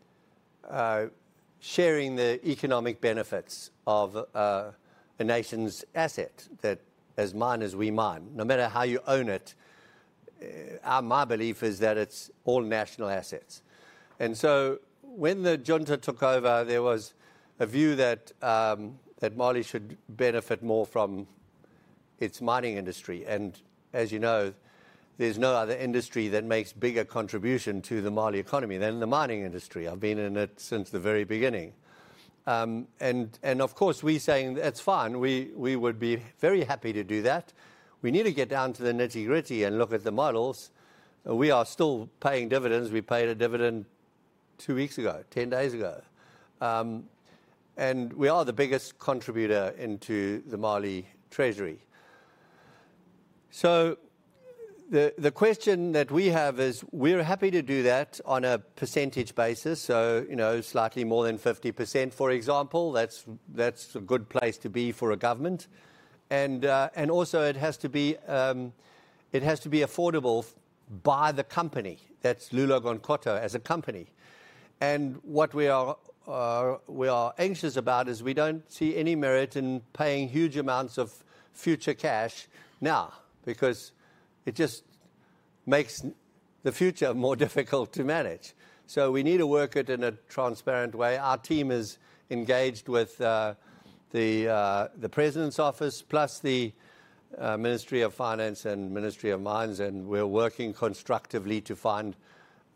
Speaker 2: the economic benefits of, a nation's asset, that as miners, we mine. No matter how you own it, my belief is that it's all national assets. And so when the junta took over, there was a view that, Mali should benefit more from its mining industry, and as you know, there's no other industry that makes bigger contribution to the Mali economy than the mining industry. I've been in it since the very beginning. And of course, we're saying, "That's fine. We would be very happy to do that." We need to get down to the nitty-gritty and look at the models. We are still paying dividends. We paid a dividend two weeks ago, ten days ago. And we are the biggest contributor into the Mali treasury. So the question that we have is, we're happy to do that on a percentage basis, so, you know, slightly more than 50%, for example. That's a good place to be for a government. And also it has to be affordable by the company. That's Loulo-Gounkoto as a company. And what we are, are, we are anxious about is we don't see any merit in paying huge amounts of future cash now, because it just makes the future more difficult to manage. So we need to work it in a transparent way. Our team is engaged with the president's office, plus the Ministry of Finance and Ministry of Mines, and we're working constructively to find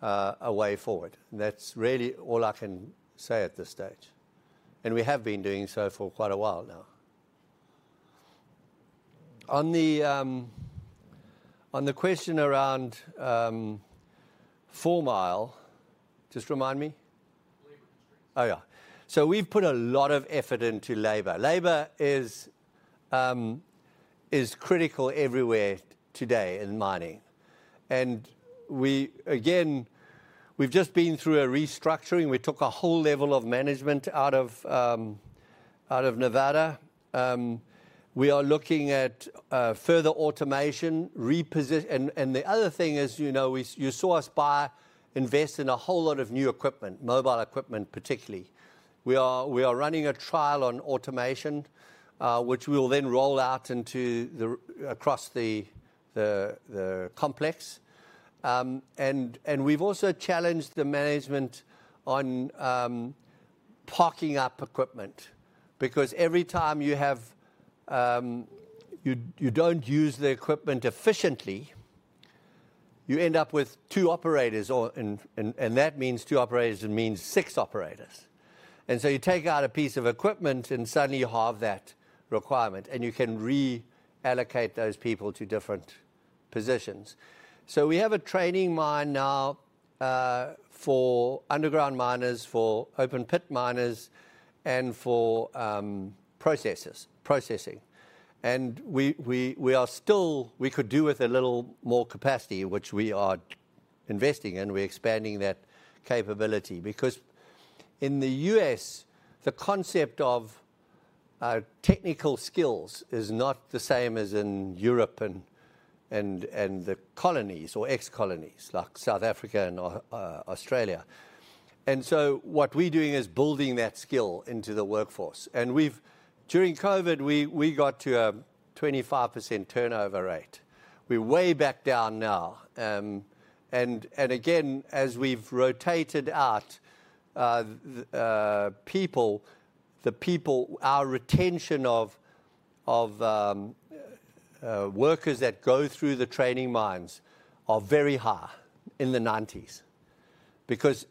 Speaker 2: a way forward. That's really all I can say at this stage. We have been doing so for quite a while now. On the question around Fourmile, just remind me?
Speaker 10: Labor constraints.
Speaker 2: Oh, yeah. So we've put a lot of effort into labor. Labor is critical everywhere today in mining. Again, we've just been through a restructuring. We took a whole level of management out of Nevada. We are looking at further automation, and the other thing is, you know, you saw us buy, invest in a whole lot of new equipment, mobile equipment particularly. We are running a trial on automation, which we will then roll out across the complex. And we've also challenged the management on parking up equipment, because every time you don't use the equipment efficiently, you end up with two operators or. And that means two operators, it means six operators. And so you take out a piece of equipment, and suddenly you halve that requirement, and you can reallocate those people to different positions. So we have a training mine now, for underground miners, for open pit miners, and for processes, processing. And we could do with a little more capacity, which we are investing in. We're expanding that capability because in the U.S., the concept of technical skills is not the same as in Europe and the colonies or ex-colonies, like South Africa and Australia. And so what we're doing is building that skill into the workforce, and we've—During COVID, we got to a 25% turnover rate. We're way back down now. And again, as we've rotated out, the people, our retention of workers that go through the training mines are very high, in the 1990s. Because,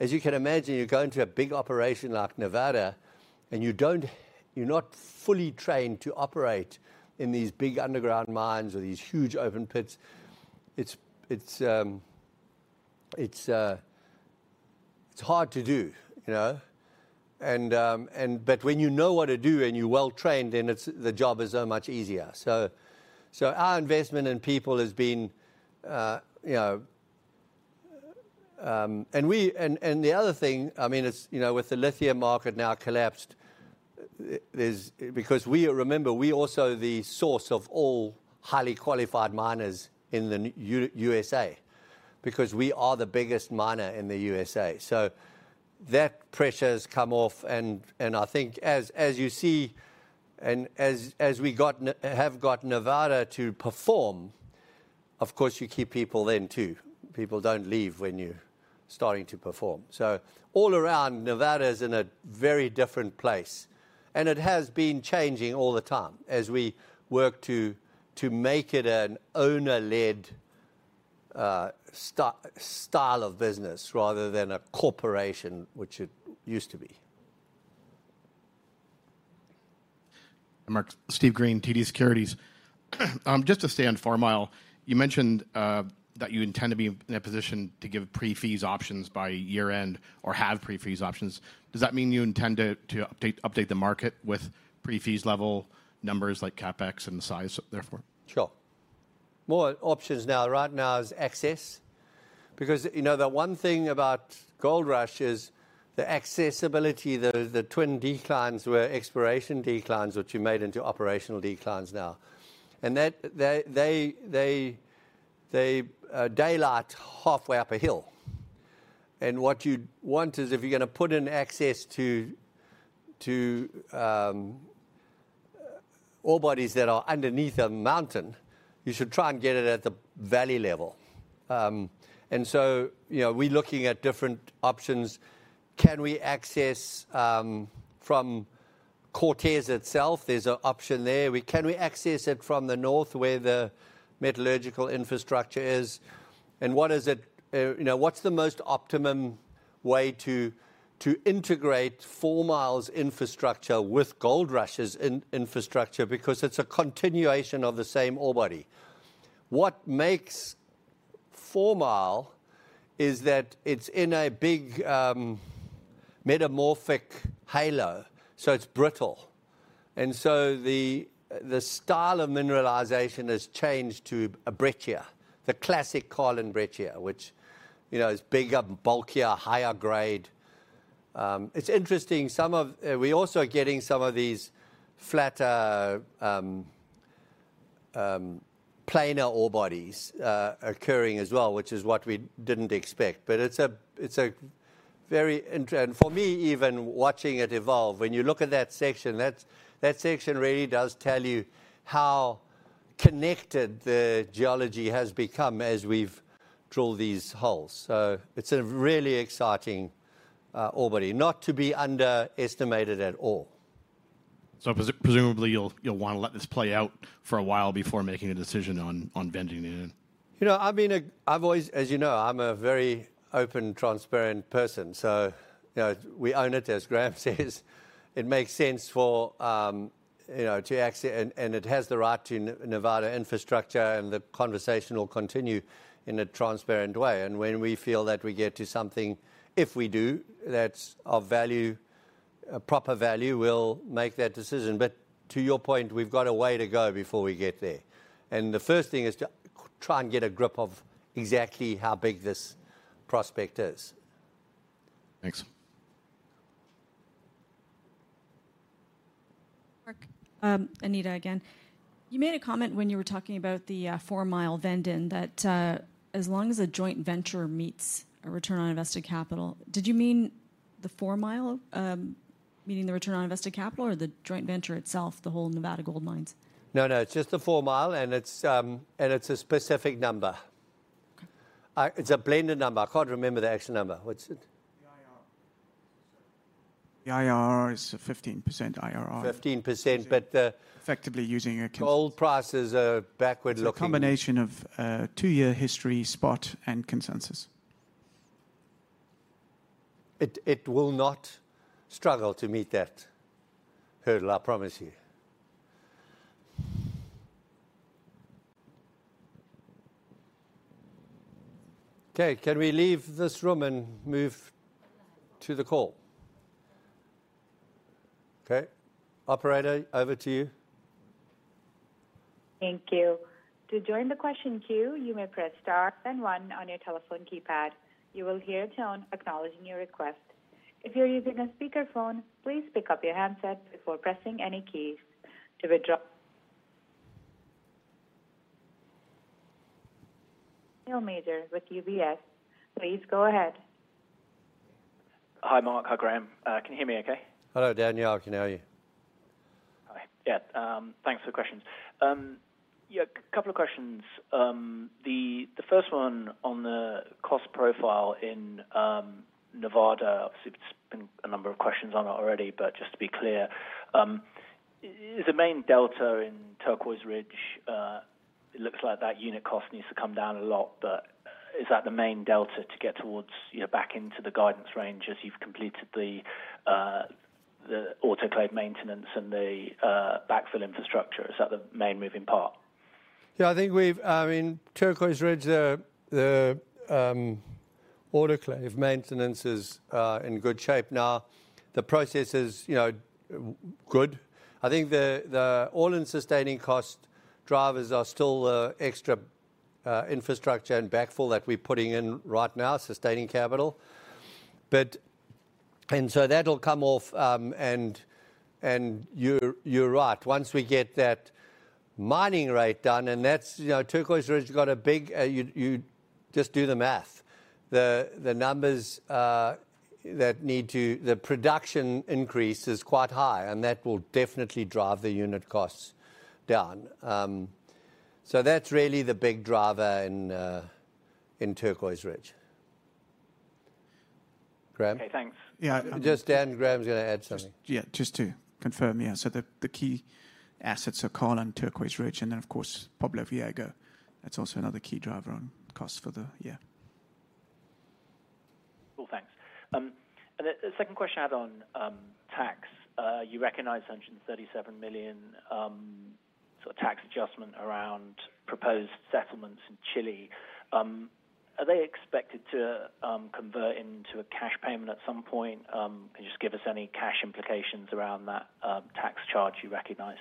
Speaker 2: as you can imagine, you go into a big operation like Nevada, and you're not fully trained to operate in these big underground mines or these huge open pits. It's hard to do, you know? But when you know what to do and you're well trained, then the job is so much easier. So our investment in people has been, you know... And the other thing, I mean, it's, you know, with the lithium market now collapsed, there's because we, remember, we are also the source of all highly qualified miners in the U.S.A, because we are the biggest miner in the U.S.A. So that pressure has come off, and I think as you see, and as we have got Nevada to perform, of course, you keep people then, too. People don't leave when you're starting to perform. So all around, Nevada is in a very different place... and it has been changing all the time as we work to make it an owner-led style of business rather than a corporation, which it used to be.
Speaker 11: Mark, Steve Green, TD Securities. Just to stay on Fourmile, you mentioned that you intend to be in a position to give PFS options by year-end or have PFS options. Does that mean you intend to update the market with PFS level numbers like CapEx and size therefore?
Speaker 2: Sure. More options now. Right now is access, because, you know, the one thing about Goldrush is the accessibility. The twin declines were exploration declines, which you made into operational declines now, and that they daylight halfway up a hill. And what you'd want is if you're gonna put in access to ore bodies that are underneath a mountain, you should try and get it at the valley level. And so, you know, we're looking at different options. Can we access from Cortez itself? There's an option there. Can we access it from the north, where the metallurgical infrastructure is, and what is it, you know, what's the most optimum way to integrate Fourmile's infrastructure with Goldrush's infrastructure? Because it's a continuation of the same ore body. What makes Fourmile is that it's in a big metamorphic halo, so it's brittle, and so the style of mineralization has changed to a breccia, the classic Carlin breccia, which, you know, is bigger, bulkier, higher grade. It's interesting, some of... We also are getting some of these flatter planar ore bodies occurring as well, which is what we didn't expect, but it's a, it's a very inter- and for me, even watching it evolve, when you look at that section, that section really does tell you how connected the geology has become as we've drilled these holes. So it's a really exciting ore body, not to be underestimated at all.
Speaker 11: So presumably, you'll want to let this play out for a while before making a decision on vending it in?
Speaker 2: You know, I've always, as you know, I'm a very open and transparent person, so, you know, we own it, as Graham says. It makes sense for, you know, and it has the right to Nevada infrastructure, and the conversation will continue in a transparent way. And when we feel that we get to something, if we do, that's of value, a proper value, we'll make that decision. But to your point, we've got a way to go before we get there, and the first thing is to try and get a grip of exactly how big this prospect is.
Speaker 11: Thanks.
Speaker 7: Mark, Anita again. You made a comment when you were talking about the Fourmile venture in that as long as a joint venture meets a return on invested capital. Did you mean the Foumile meeting the return on invested capital or the joint venture itself, the whole Nevada Gold Mines?
Speaker 2: No, no, it's just the Fourmile, and it's a specific number.
Speaker 7: Okay.
Speaker 2: It's a blended number. I can't remember the actual number. What's it?
Speaker 6: The IRR. The IRR is a 15% IRR.
Speaker 2: 15%, but the-
Speaker 6: Effectively using a-
Speaker 2: Gold prices are backward-looking.
Speaker 6: It's a combination of a two-year history, spot, and consensus.
Speaker 2: It will not struggle to meet that hurdle, I promise you. Okay, can we leave this room and move to the call? Okay, operator, over to you.
Speaker 1: Thank you. To join the question queue, you may press star and one on your telephone keypad. You will hear a tone acknowledging your request. If you're using a speakerphone, please pick up your handset before pressing any keys. To withdraw- Daniel Major with UBS, please go ahead.
Speaker 12: Hi, Mark. Hi, Graham. Can you hear me okay?
Speaker 2: Hello, Daniel. I can hear you.
Speaker 12: Hi. Yeah, thanks for the questions. Yeah, a couple of questions. The first one on the cost profile in Nevada. Obviously, there's been a number of questions on it already, but just to be clear, is the main delta in Turquoise Ridge? It looks like that unit cost needs to come down a lot, but is that the main delta to get towards, you know, back into the guidance range as you've completed the autoclave maintenance and the backfill infrastructure? Is that the main moving part?
Speaker 2: Yeah, I think we've I mean, Turquoise Ridge, the autoclave maintenance is in good shape now. The process is, you know, good. I think the all-in sustaining cost drivers are still the extra infrastructure and backfill that we're putting in right now, sustaining capital. But and so that'll come off, and you're right. Once we get that mining rate down, and that's, you know, Turquoise Ridge has got a big you just do the math. The numbers that need to the production increase is quite high, and that will definitely drive the unit costs down. So that's really the big driver in Turquoise Ridge. Graham?
Speaker 12: Okay, thanks.
Speaker 2: Yeah, just Dan, Graham's gonna add something.
Speaker 6: Yeah, just to confirm. Yeah, so the, the key assets are Carlin and Turquoise Ridge, and then, of course, Pueblo Viejo. That's also another key driver on costs for the... Yeah.
Speaker 12: Cool, thanks. The second question I had on tax. You recognized $137 million sort of tax adjustment around proposed settlements in Chile. Are they expected to convert into a cash payment at some point? Can you just give us any cash implications around that tax charge you recognized?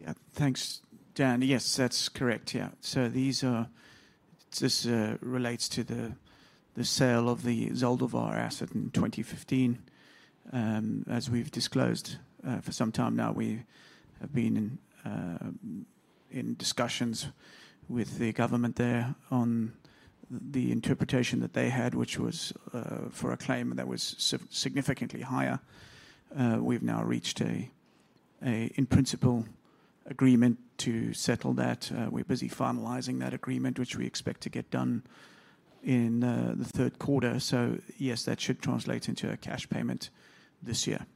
Speaker 6: Yeah. Thanks, Dan. Yes, that's correct. Yeah. So this relates to the sale of the Zaldívar asset in 2015. As we've disclosed for some time now, we have been in discussions with the government there on the interpretation that they had, which was for a claim that was significantly higher. We've now reached an in principle agreement to settle that. We're busy finalizing that agreement, which we expect to get done in the third quarter. So yes, that should translate into a cash payment this year.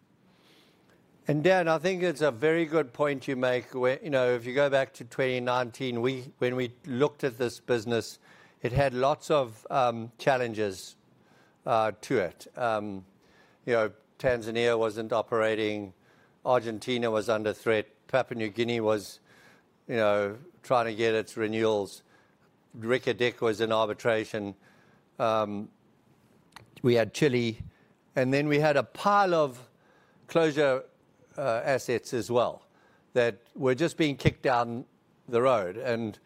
Speaker 2: And Dan, I think it's a very good point you make, where, you know, if you go back to 2019, when we looked at this business, it had lots of challenges to it. You know, Tanzania wasn't operating, Argentina was under threat. Papua New Guinea was, you know, trying to get its renewals. Reko Diq was in arbitration. We had Chile, and then we had a pile of closure assets as well, that were just being kicked down the road. And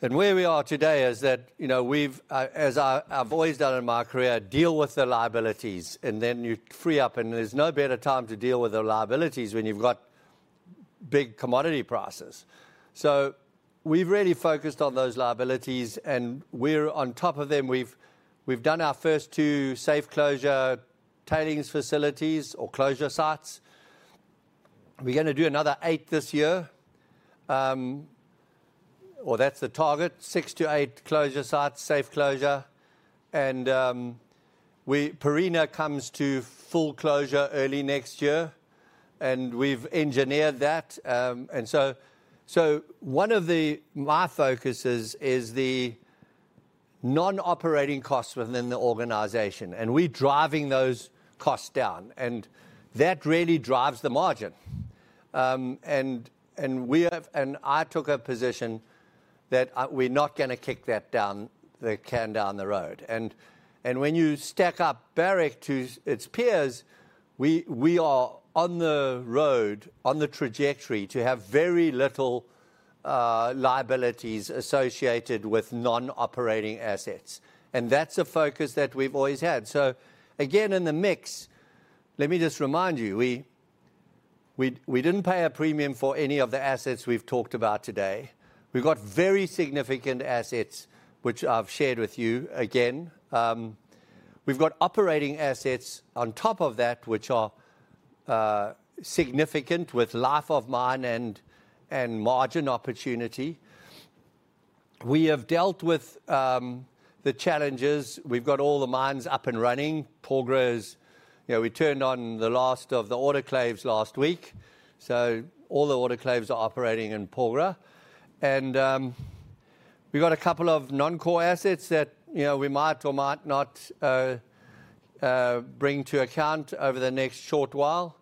Speaker 2: where we are today is that, you know, we've, as I've always done in my career, deal with the liabilities, and then you free up, and there's no better time to deal with the liabilities when you've got big commodity prices. So we've really focused on those liabilities, and we're on top of them. We've done our first two safe closure tailings facilities or closure sites. We're gonna do another 8 this year. Or that's the target, six to eight closure sites, safe closure. Pierina comes to full closure early next year, and we've engineered that. One of my focuses is the non-operating costs within the organization, and we're driving those costs down, and that really drives the margin. I took a position that we're not gonna kick that down, the can down the road. When you stack up Barrick to its peers, we are on the trajectory to have very little liabilities associated with non-operating assets. That's a focus that we've always had. So again, in the mix, let me just remind you, we didn't pay a premium for any of the assets we've talked about today. We've got very significant assets, which I've shared with you again. We've got operating assets on top of that, which are significant with life of mine and margin opportunity. We have dealt with the challenges. We've got all the mines up and running. Porgera's, you know, we turned on the last of the autoclaves last week, so all the autoclaves are operating in Porgera. And we've got a couple of non-core assets that, you know, we might or might not bring to account over the next short while.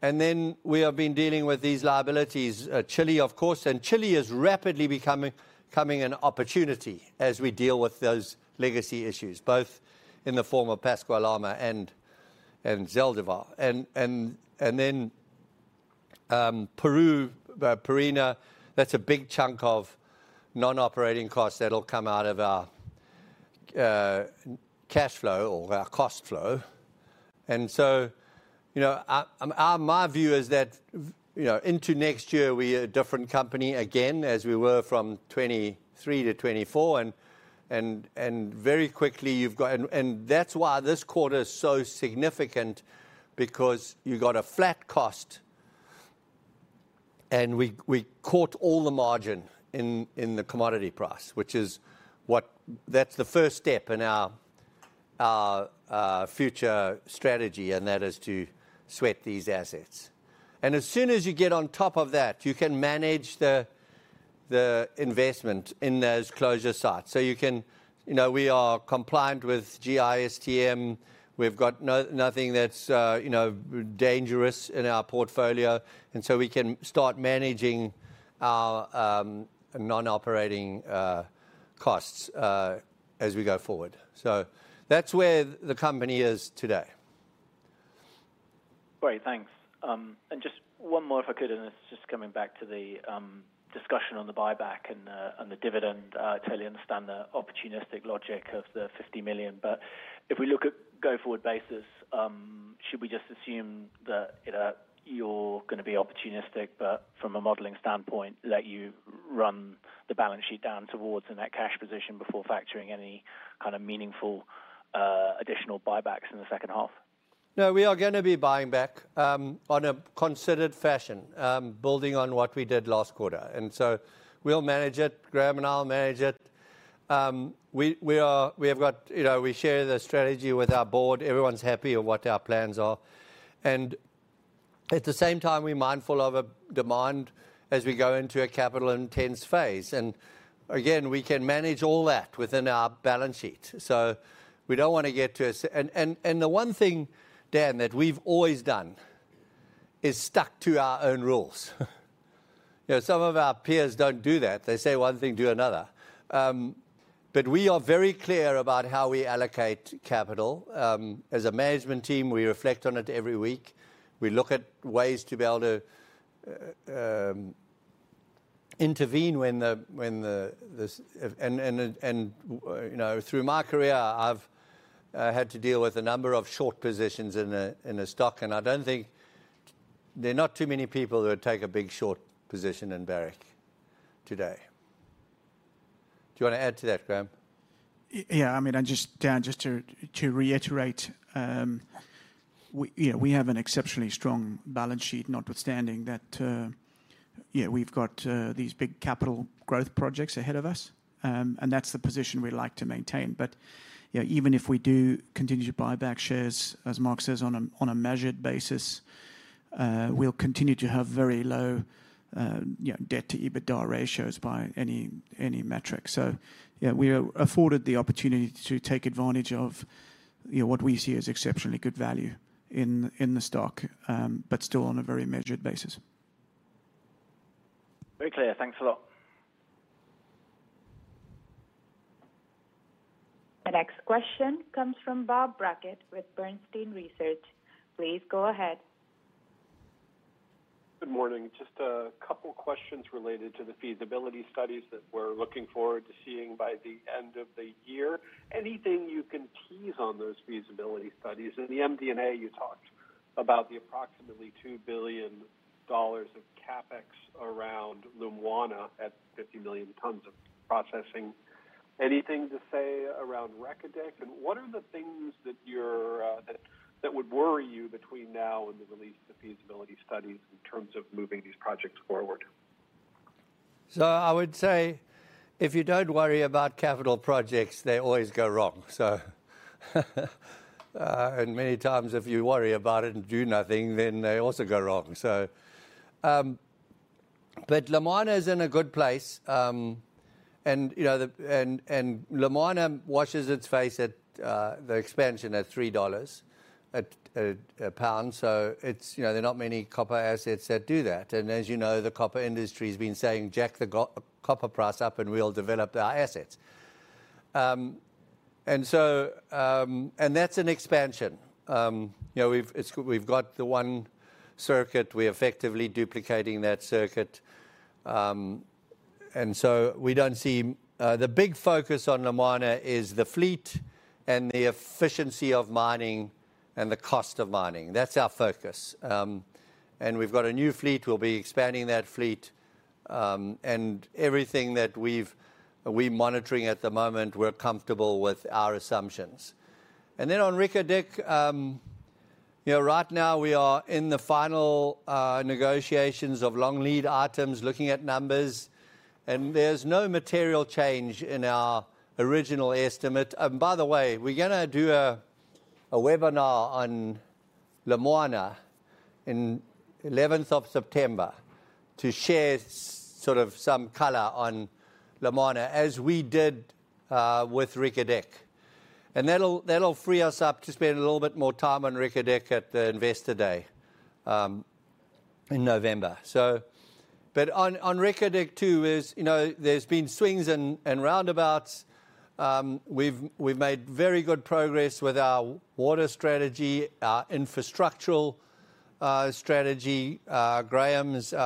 Speaker 2: And then we have been dealing with these liabilities, Chile, of course, and Chile is rapidly becoming an opportunity as we deal with those legacy issues, both in the form of Pascua-Lama and Zaldívar. And then Peru, Pierina, that's a big chunk of non-operating costs that'll come out of our cash flow or our cost flow. And so, you know, my view is that, you know, into next year, we're a different company again, as we were from 2023 to 2024. And very quickly, you've got. And that's why this quarter is so significant, because you've got a flat cost, and we caught all the margin in the commodity price, which is what. That's the first step in our future strategy, and that is to sweat these assets. And as soon as you get on top of that, you can manage the investment in those closure sites. So you can, you know, we are compliant with GISTM. We've got nothing that's, you know, dangerous in our portfolio, and so we can start managing our non-operating costs as we go forward. So that's where the company is today.
Speaker 12: Great, thanks. And just one more, if I could, and it's just coming back to the discussion on the buyback and the dividend. Totally understand the opportunistic logic of the $50 million, but if we look at go forward basis, should we just assume that, you know, you're gonna be opportunistic, but from a modeling standpoint, let you run the balance sheet down towards the net cash position before factoring any kind of meaningful additional buybacks in the second half?
Speaker 2: No, we are gonna be buying back, on a considered fashion, building on what we did last quarter. And so we'll manage it, Graham, and I'll manage it. We have got, you know, we share the strategy with our board. Everyone's happy of what our plans are, and at the same time, we're mindful of a demand as we go into a capital intense phase. And again, we can manage all that within our balance sheet. So we don't wanna get to a c... And the one thing, Dan, that we've always done, is stuck to our own rules. You know, some of our peers don't do that. They say one thing, do another. But we are very clear about how we allocate capital. As a management team, we reflect on it every week. We look at ways to be able to intervene when the and you know through my career I've had to deal with a number of short positions in a stock, and I don't think... There are not too many people who would take a big short position in Barrick today. Do you wanna add to that, Graham?
Speaker 6: Yeah, I mean, and just, Dan, just to reiterate, we, you know, we have an exceptionally strong balance sheet, notwithstanding that, yeah, we've got these big capital growth projects ahead of us. And that's the position we'd like to maintain. But, you know, even if we do continue to buy back shares, as Mark says, on a measured basis, we'll continue to have very low, you know, debt to EBITDA ratios by any metric. So yeah, we are afforded the opportunity to take advantage of, you know, what we see as exceptionally good value in the stock, but still on a very measured basis.
Speaker 12: Very clear. Thanks a lot.
Speaker 1: The next question comes from Bob Brackett with Bernstein Research. Please go ahead.
Speaker 13: Good morning. Just a couple questions related to the feasibility studies that we're looking forward to seeing by the end of the year. Anything you can tease on those feasibility studies? In the MD&A, you talked about the approximately $2 billion of CapEx around Lumwana at 50 million tons of processing. Anything to say around Reko Diq? And what are the things that you're that would worry you between now and the release of the feasibility studies in terms of moving these projects forward?
Speaker 2: So I would say if you don't worry about capital projects, they always go wrong. So, and many times if you worry about it and do nothing, then they also go wrong. So, but Lumwana is in a good place, and, you know, the, and, and Lumwana washes its face at, the expansion at $3 a pound. So it's, you know, there are not many copper assets that do that. And as you know, the copper industry's been saying, "Jack the copper price up, and we'll develop our assets." And so, and that's an expansion. You know, we've got the one circuit. We're effectively duplicating that circuit. And so we don't see the big focus on Lumwana is the fleet and the efficiency of mining and the cost of mining. That's our focus. And we've got a new fleet. We'll be expanding that fleet. And everything that we've, we're monitoring at the moment, we're comfortable with our assumptions. And then on Reko Diq, you know, right now we are in the final negotiations of long lead items, looking at numbers, and there's no material change in our original estimate. And by the way, we're gonna do a webinar on Lumwana in eleventh of September to share sort of some color on Lumwana, as we did with Reko Diq. And that'll free us up to spend a little bit more time on Reko Diq at the Investor Day in November. So, but on Reko Diq, too, you know, there's been swings and roundabouts. We've made very good progress with our water strategy, our infrastructural strategy. Graham is, you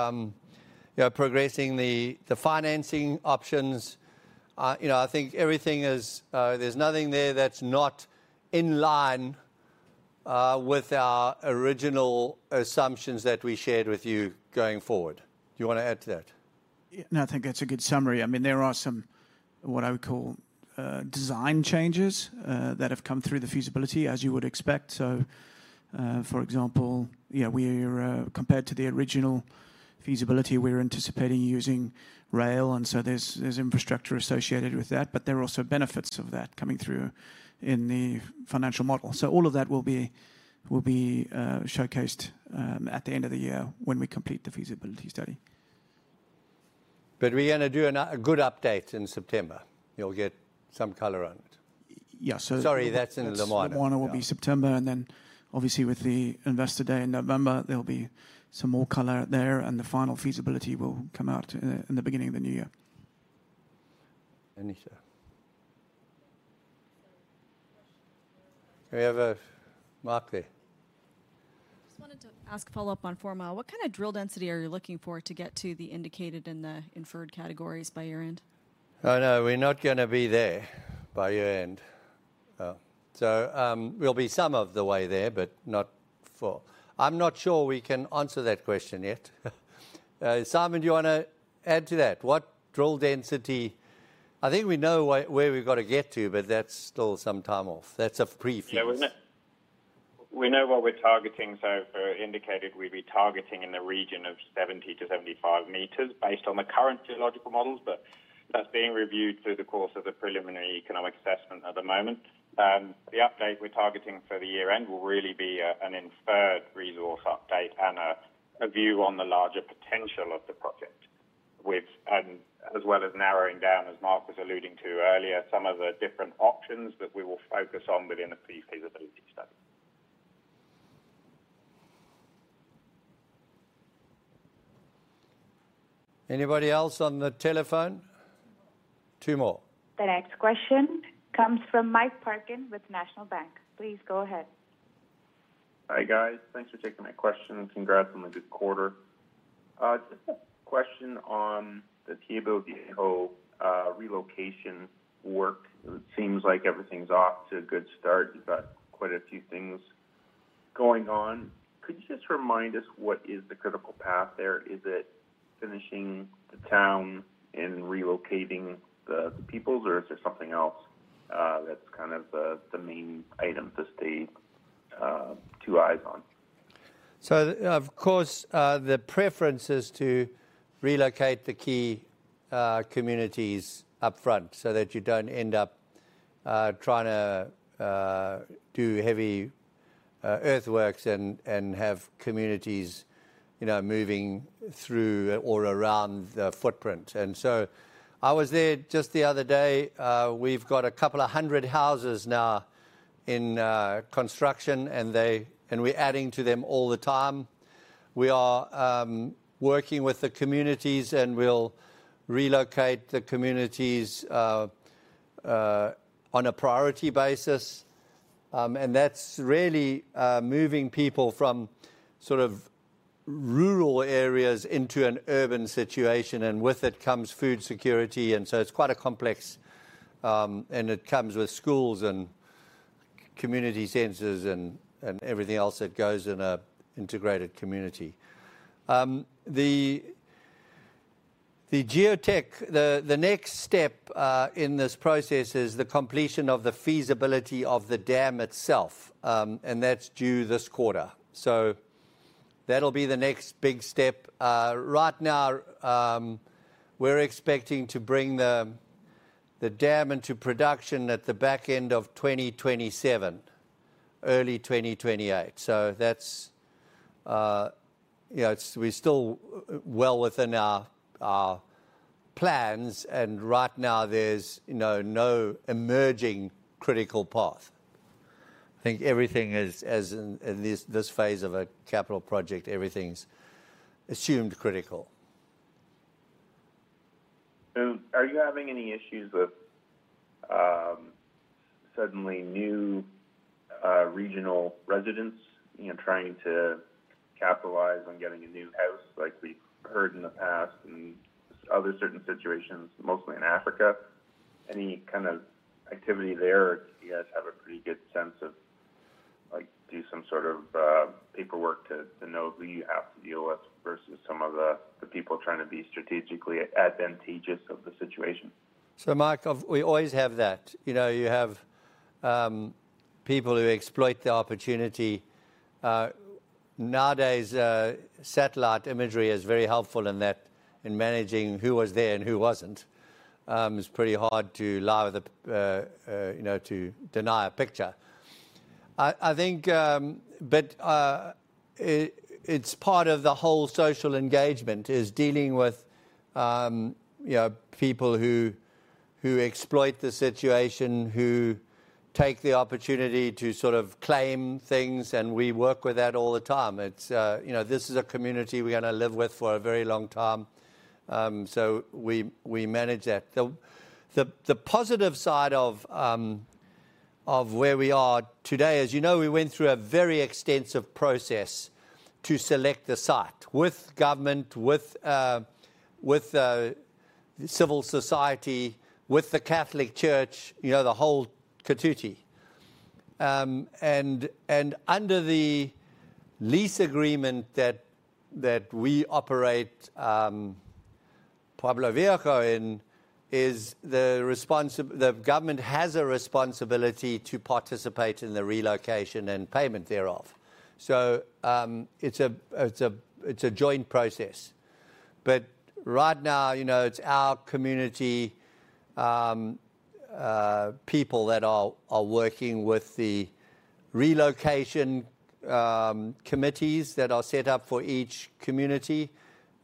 Speaker 2: know, progressing the financing options. You know, I think everything is, there's nothing there that's not in line with our original assumptions that we shared with you going forward. Do you wanna add to that?
Speaker 6: Yeah, no, I think that's a good summary. I mean, there are some, what I would call, design changes that have come through the feasibility, as you would expect. So, for example, you know, we're compared to the original feasibility, we're anticipating using rail, and so there's, there's infrastructure associated with that, but there are also benefits of that coming through in the financial model. So all of that will be, will be, showcased at the end of the year when we complete the feasibility study.
Speaker 2: But we're gonna do a good update in September. You'll get some color on it.
Speaker 6: Yeah, so-
Speaker 2: Sorry, that's in Lumwana.
Speaker 6: Lumwana will be September, and then obviously with the Investor Day in November, there'll be some more color there, and the final feasibility will come out in the beginning of the new year.
Speaker 2: Anita. We have Mark there.
Speaker 7: Just wanted to ask a follow-up on Fourmile. What kind of drill density are you looking for to get to the indicated and the inferred categories by year-end?
Speaker 2: Oh, no, we're not gonna be there by year-end. So, we'll be some of the way there, but not for. I'm not sure we can answer that question yet. Simon, do you wanna add to that? What drill density - I think we know where we've gotta get to, but that's still some time off. That's a pre-feasibility.
Speaker 8: Yeah, we know, we know what we're targeting, so, indicated we'd be targeting in the region of 70 to 75 meters based on the current geological models. But that's being reviewed through the course of the preliminary economic assessment at the moment. The update we're targeting for the year-end will really be a, an inferred resource update and a, a view on the larger potential of the project. Which, as well as narrowing down, as Mark was alluding to earlier, some of the different options that we will focus on within the pre-feasibility study.
Speaker 2: Anybody else on the telephone? Two more.
Speaker 1: The next question comes from Mike Parkin with National Bank. Please go ahead.
Speaker 14: Hi, guys. Thanks for taking my question, and congrats on a good quarter. Just a question on the Pueblo Viejo relocation work. It seems like everything's off to a good start. You've got quite a few things going on. Could you just remind us what is the critical path there? Is it finishing the town and relocating the peoples, or is there something else that's kind of the main item to stay two eyes on?
Speaker 2: So, of course, the preference is to relocate the key communities upfront so that you don't end up trying to do heavy earthworks and have communities, you know, moving through or around the footprint. And so I was there just the other day. We've got a couple of hundred houses now in construction, and we're adding to them all the time. We are working with the communities, and we'll relocate the communities on a priority basis. And that's really moving people from sort of rural areas into an urban situation, and with it comes food security, and so it's quite a complex. And it comes with schools and community centers and everything else that goes in an integrated community. The geotech, the next step in this process is the completion of the feasibility of the dam itself, and that's due this quarter. So that'll be the next big step. Right now, we're expecting to bring the dam into production at the back end of 2027, early 2028. So that's, you know, we're still well within our plans, and right now there's, you know, no emerging critical path. I think everything is in this phase of a capital project, everything's assumed critical.
Speaker 14: So are you having any issues with suddenly new regional residents, you know, trying to capitalize on getting a new house, like we've heard in the past and other certain situations, mostly in Africa? Any kind of activity there, or do you guys have a pretty good sense of, like, do some sort of paperwork to know who you have to deal with versus some of the people trying to be strategically advantageous of the situation?
Speaker 2: So, Mike, we always have that. You know, you have people who exploit the opportunity. Nowadays, satellite imagery is very helpful in that, in managing who was there and who wasn't. It's pretty hard to lie with the, you know, to deny a picture. I think, but it, it's part of the whole social engagement, is dealing with, you know, people who, who exploit the situation, who take the opportunity to sort of claim things, and we work with that all the time. It's, you know, this is a community we're gonna live with for a very long time, so we, we manage that. The positive side of where we are today, as you know, we went through a very extensive process to select the site with government, with civil society, with the Catholic Church, you know, the whole coterie. And under the lease agreement that we operate Pueblo Viejo in, the government has a responsibility to participate in the relocation and payment thereof. So, it's a joint process. But right now, you know, it's our community people that are working with the relocation committees that are set up for each community,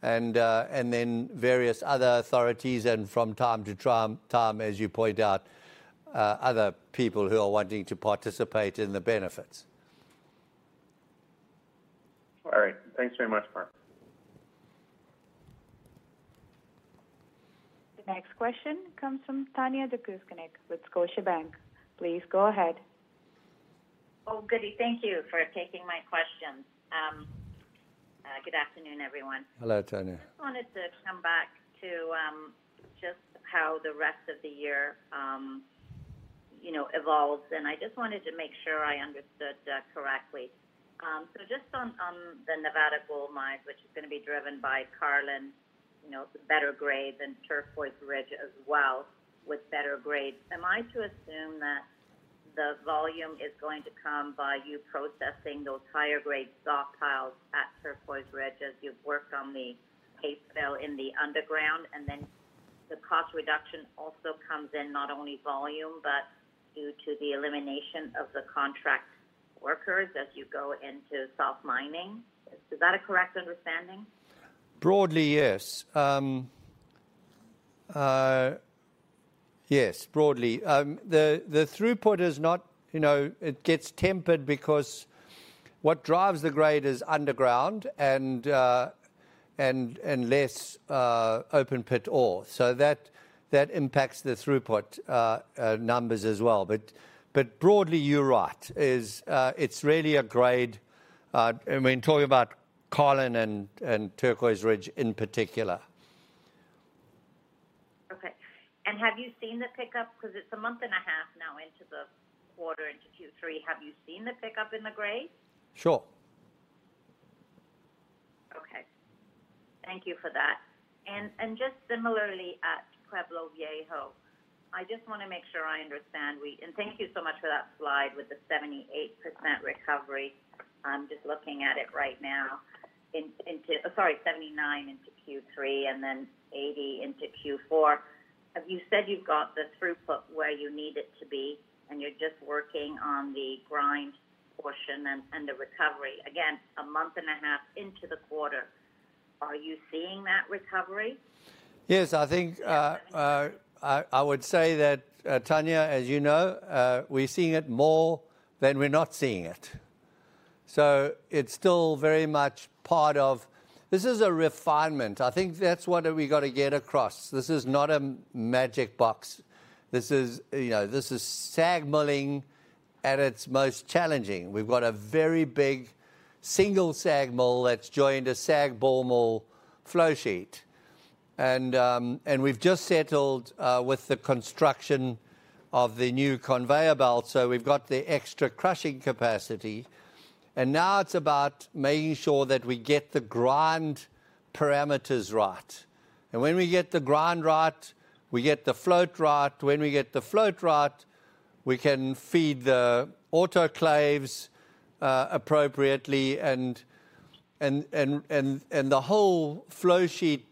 Speaker 2: and then various other authorities, and from time to time, as you point out, other people who are wanting to participate in the benefits.
Speaker 14: All right. Thanks very much, Mark.
Speaker 1: The next question comes from Tanya Jakusconic with Scotiabank. Please go ahead.
Speaker 15: Oh, goodie. Thank you for taking my question. ... Good afternoon, everyone.
Speaker 2: Hello, Tanya.
Speaker 15: I just wanted to come back to just how the rest of the year, you know, evolves, and I just wanted to make sure I understood correctly. So just on the Nevada Gold Mines, which is going to be driven by Carlin, you know, the better grades and Turquoise Ridge as well, with better grades. Am I to assume that the volume is going to come by you processing those higher grade stockpiles at Turquoise Ridge as you've worked on the paste fill in the underground, and then the cost reduction also comes in, not only volume, but due to the elimination of the contract workers as you go into self-mining? Is that a correct understanding?
Speaker 2: Broadly, yes. Yes, broadly. The throughput is not—you know, it gets tempered because what drives the grade is underground and less open pit ore. So that impacts the throughput numbers as well. But broadly, you're right, it's really a grade. And we're talking about Carlin and Turquoise Ridge in particular.
Speaker 15: Okay. Have you seen the pickup? Because it's a month and a half now into the quarter, into Q3. Have you seen the pickup in the grade?
Speaker 2: Sure.
Speaker 15: Okay. Thank you for that. And, and just similarly, at Pueblo Viejo, I just want to make sure I understand we-- And thank you so much for that slide with the 78% recovery. I'm just looking at it right now. In, into-- Sorry, 79 into Q3 and then 80 into Q4. Have you said you've got the throughput where you need it to be, and you're just working on the grind portion and, and the recovery? Again, a month and a half into the quarter, are you seeing that recovery?
Speaker 2: Yes, I think I would say that, Tanya, as you know, we're seeing it more than we're not seeing it. So it's still very much part of... This is a refinement. I think that's what we got to get across. This is not a magic box. This is, you know, this is SAG milling at its most challenging. We've got a very big single SAG mill that's joined a SAG ball mill flow sheet. And we've just settled with the construction of the new conveyor belt, so we've got the extra crushing capacity, and now it's about making sure that we get the grind parameters right. And when we get the grind right, we get the float right. When we get the float right, we can feed the autoclaves appropriately, and the whole flow sheet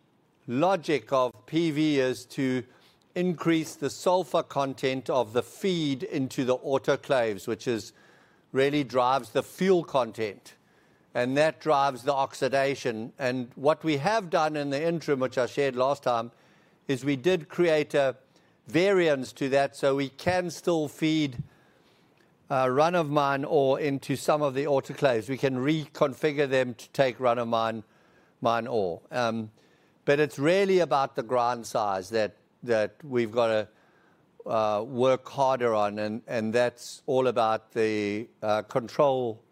Speaker 2: logic of PV is to increase the sulfur content of the feed into the autoclaves, which really drives the fuel content, and that drives the oxidation. What we have done in the interim, which I shared last time, is we did create a variance to that, so we can still feed run of mine ore into some of the autoclaves. We can reconfigure them to take run of mine ore. But it's really about the grind size that we've got to work harder on, and that's all about the control,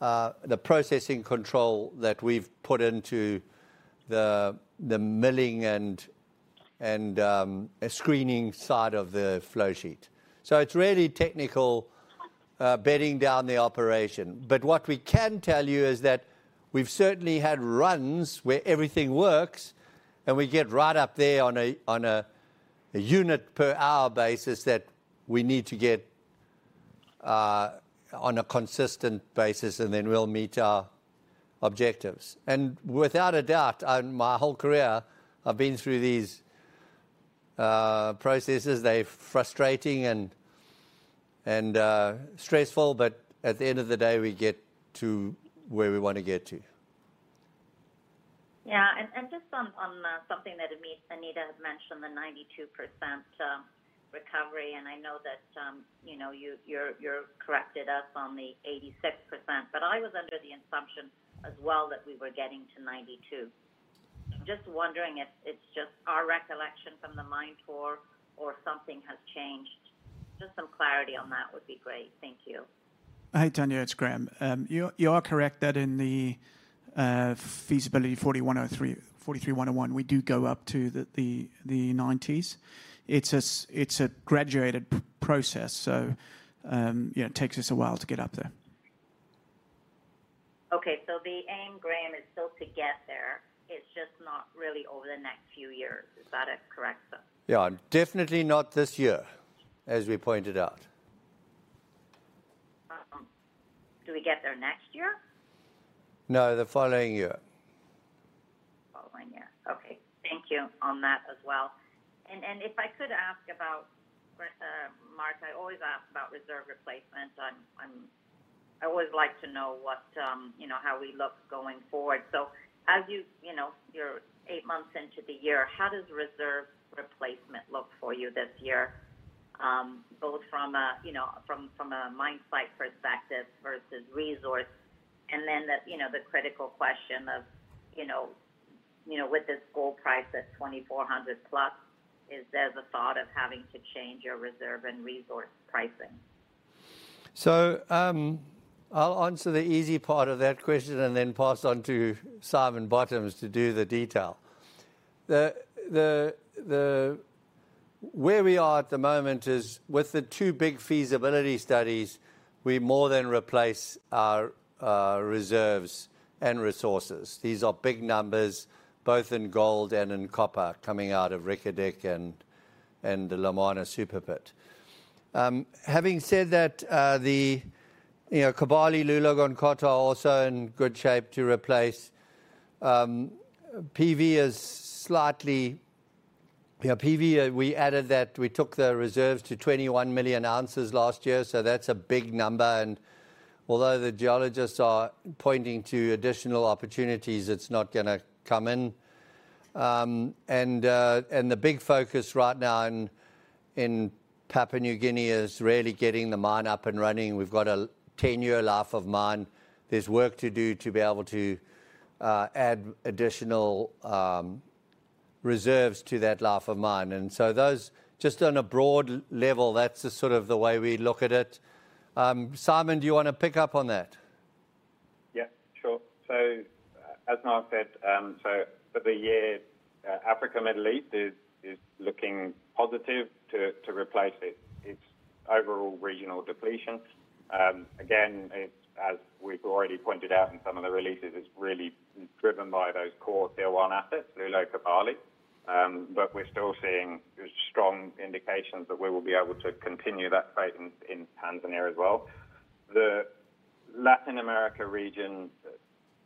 Speaker 2: the processing control that we've put into the milling and screening side of the flow sheet. So it's really technical bedding down the operation. But what we can tell you is that we've certainly had runs where everything works, and we get right up there on a unit per hour basis that we need to get on a consistent basis, and then we'll meet our objectives. And without a doubt, on my whole career, I've been through these processes. They're frustrating and stressful, but at the end of the day, we get to where we want to get to.
Speaker 15: Yeah, and just on something that Anita had mentioned, the 92% recovery, and I know that, you know, you corrected us on the 86%, but I was under the assumption as well that we were getting to 92%. Just wondering if it's just our recollection from the mine tour or something has changed. Just some clarity on that would be great. Thank you.
Speaker 6: Hi, Tanya, it's Graham. You are correct that in the feasibility 43-101, we do go up to the nineties. It's a graduated process, so you know, it takes us a while to get up there.
Speaker 15: Okay, so the aim, Graham, is still to get there. It's just not really over the next few years. Is that correct?
Speaker 2: Yeah, definitely not this year, as we pointed out.
Speaker 15: Do we get there next year?
Speaker 2: No, the following year.
Speaker 15: Following year. Okay. Thank you on that as well. And if I could ask about, Mark, I always ask about reserve replacement. I'm I always like to know what, you know, how we look going forward. So as you, you know, you're eight months into the year, how does reserve replacement look for you this year, both from a, you know, from, from a mine site perspective versus resource? And then the, you know, the critical question of, you know, you know, with this gold price at $2,400+, is there the thought of having to change your reserve and resource pricing?
Speaker 2: ...So, I'll answer the easy part of that question and then pass on to Simon Bottoms to do the detail. Where we are at the moment is with the two big feasibility studies, we more than replace our reserves and resources. These are big numbers, both in gold and in copper, coming out of Reko Diq and the Lumwana Super Pit. Having said that, you know, Kibali, Loulo-Gounkoto are also in good shape to replace. PV is slightly. Yeah, PV, we added that, we took the reserves to 21 million ounces last year, so that's a big number, and although the geologists are pointing to additional opportunities, it's not gonna come in. And the big focus right now in Papua New Guinea is really getting the mine up and running. We've got a 10-year life of mine. There's work to do to be able to add additional reserves to that life of mine. And so those, just on a broad level, that's the sort of the way we look at it. Simon, do you want to pick up on that?
Speaker 8: Yeah, sure. So as Mark said, so for the year, Africa, Middle East is looking positive to replace its overall regional depletion. Again, it's as we've already pointed out in some of the releases, it's really driven by those core tier one assets, Loulo, Kibali. But we're still seeing strong indications that we will be able to continue that rate in Tanzania as well. The Latin America region,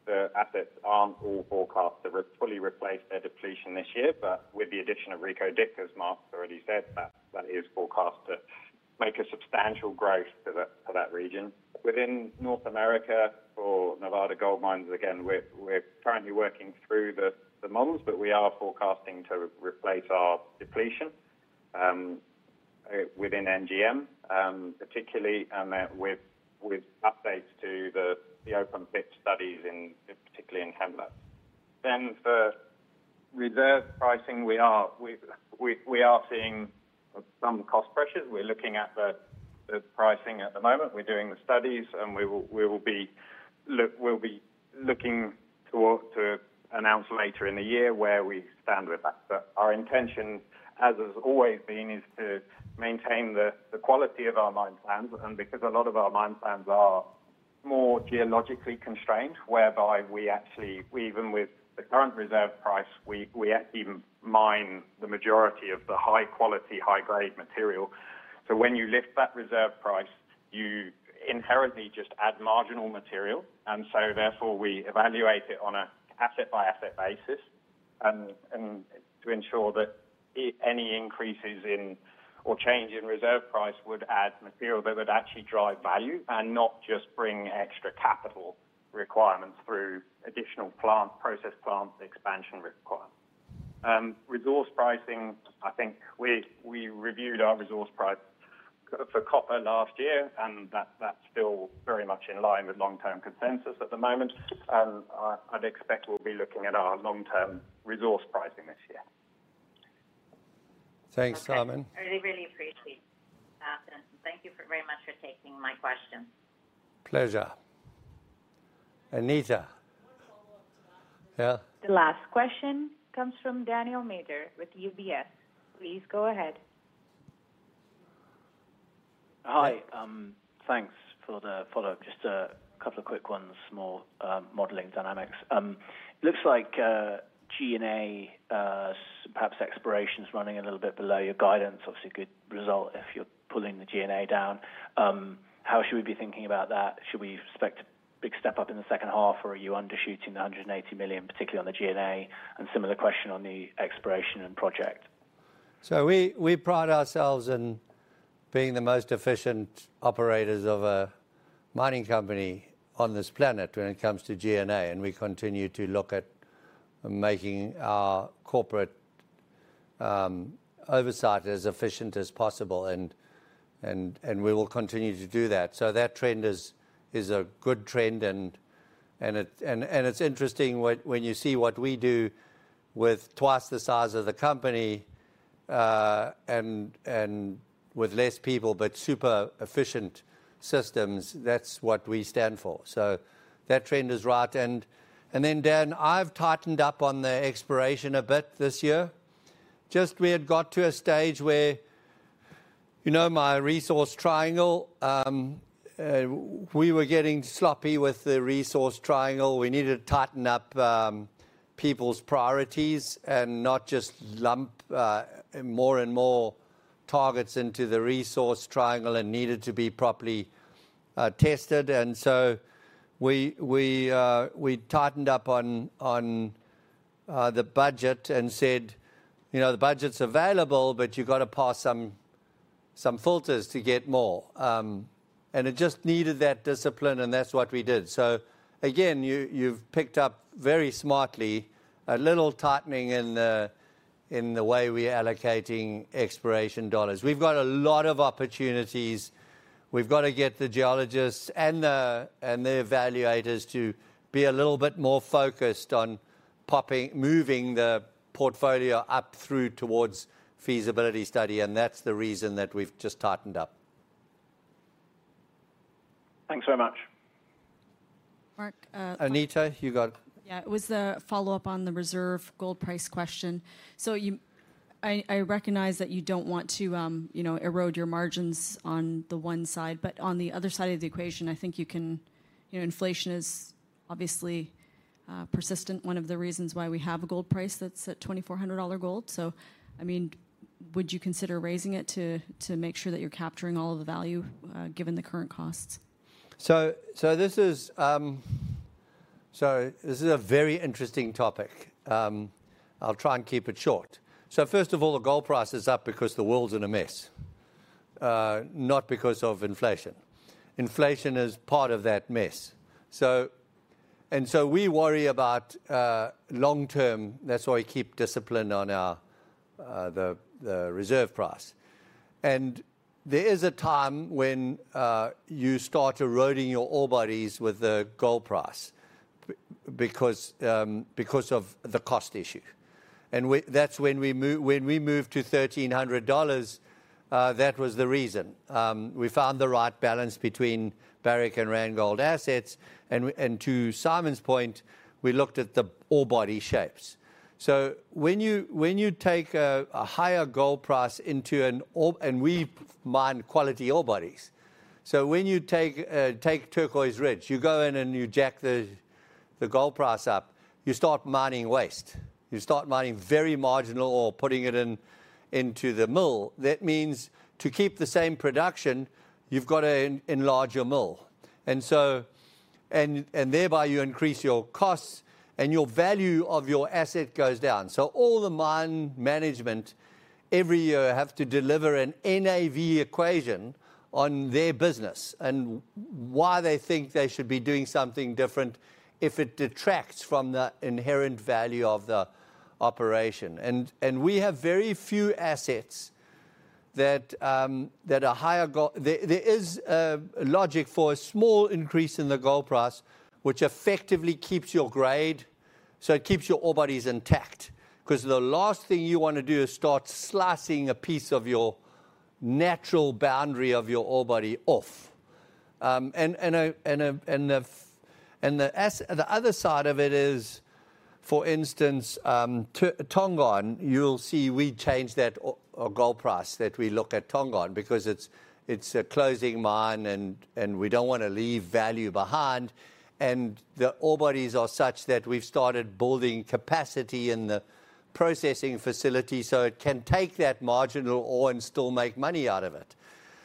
Speaker 8: the assets aren't all forecast to fully replace their depletion this year, but with the addition of Reko Diq, as Mark already said, that is forecast to make a substantial growth to that region. Within North America or Nevada Gold Mines, again, we're currently working through the models, but we are forecasting to replace our depletion within NGM, particularly with updates to the open pit studies, particularly in Carlin. Then for reserve pricing, we are seeing some cost pressures. We're looking at the pricing at the moment. We're doing the studies, and we'll be looking to announce later in the year where we stand with that. But our intention, as has always been, is to maintain the quality of our mine plans, and because a lot of our mine plans are more geologically constrained, whereby we actually even with the current reserve price, we actually mine the majority of the high quality, high grade material. So when you lift that reserve price, you inherently just add marginal material, and so therefore, we evaluate it on an asset-by-asset basis, and to ensure that any increases in or change in reserve price would add material that would actually drive value and not just bring extra capital requirements through additional plant, process plant expansion requirements. Resource pricing, I think we reviewed our resource price for copper last year, and that's still very much in line with long-term consensus at the moment. And I'd expect we'll be looking at our long-term resource pricing this year.
Speaker 2: Thanks, Simon.
Speaker 15: I really, really appreciate that. Thank you very much for taking my question.
Speaker 2: Pleasure. Anita?
Speaker 6: One follow-up to that.
Speaker 2: Yeah.
Speaker 1: The last question comes from Daniel Major with UBS. Please go ahead.
Speaker 12: Hi, thanks for the follow-up. Just a couple of quick ones, more modeling dynamics. Looks like G&A, perhaps exploration is running a little bit below your guidance. Obviously, a good result if you're pulling the G&A down. How should we be thinking about that? Should we expect a big step up in the second half, or are you undershooting the $180 million, particularly on the G&A? And similar question on the exploration and project.
Speaker 2: So we pride ourselves in being the most efficient operators of a mining company on this planet when it comes to G&A, and we continue to look at making our corporate oversight as efficient as possible, and we will continue to do that. So that trend is a good trend, and it’s interesting when you see what we do with twice the size of the company, and with less people, but super efficient systems, that’s what we stand for. So that trend is right. And then, Dan, I’ve tightened up on the exploration a bit this year. Just we had got to a stage where, you know, my resource triangle, we were getting sloppy with the resource triangle. We needed to tighten up people's priorities and not just lump more and more targets into the resource triangle and needed to be properly tested. And so we tightened up on the budget and said, "You know, the budget's available, but you've got to pass some filters to get more." It just needed that discipline, and that's what we did. So again, you've picked up very smartly a little tightening in the way we are allocating exploration dollars. We've got a lot of opportunities. We've got to get the geologists and the evaluators to be a little bit more focused on popping - moving the portfolio up through towards feasibility study, and that's the reason that we've just tightened up... Thanks so much.
Speaker 7: Mark, uh-
Speaker 2: Anita, you go.
Speaker 7: Yeah, it was a follow-up on the reserve gold price question. So you—I recognize that you don't want to, you know, erode your margins on the one side, but on the other side of the equation, I think you can... You know, inflation is obviously persistent, one of the reasons why we have a gold price that's at $2,400 gold. So, I mean, would you consider raising it to make sure that you're capturing all of the value, given the current costs?
Speaker 2: This is a very interesting topic. I'll try and keep it short. So first of all, the gold price is up because the world's in a mess, not because of inflation. Inflation is part of that mess. We worry about the long term. That's why we keep discipline on our reserve price. And there is a time when you start eroding your ore bodies with the gold price because of the cost issue. And that's when we moved to $1,300, that was the reason. We found the right balance between Barrick and Randgold assets, and to Simon's point, we looked at the ore body shapes. So when you take a higher gold price into an ore—and we mine quality ore bodies. So when you take Turquoise Ridge, you go in, and you jack the gold price up, you start mining waste. You start mining very marginal ore, putting it into the mill. That means to keep the same production, you've got to enlarge your mill. And so, thereby you increase your costs, and your value of your asset goes down. So all the mine management, every year, have to deliver an NAV equation on their business, and why they think they should be doing something different if it detracts from the inherent value of the operation. We have very few assets that are. There is a logic for a small increase in the gold price, which effectively keeps your grade, so it keeps your ore bodies intact. Because the last thing you want to do is start slicing a piece of your natural boundary of your ore body off. The other side of it is, for instance, Tongon. You'll see we changed that or gold price that we look at Tongon, because it's a closing mine, and we don't want to leave value behind. The ore bodies are such that we've started building capacity in the processing facility so it can take that marginal ore and still make money out of it.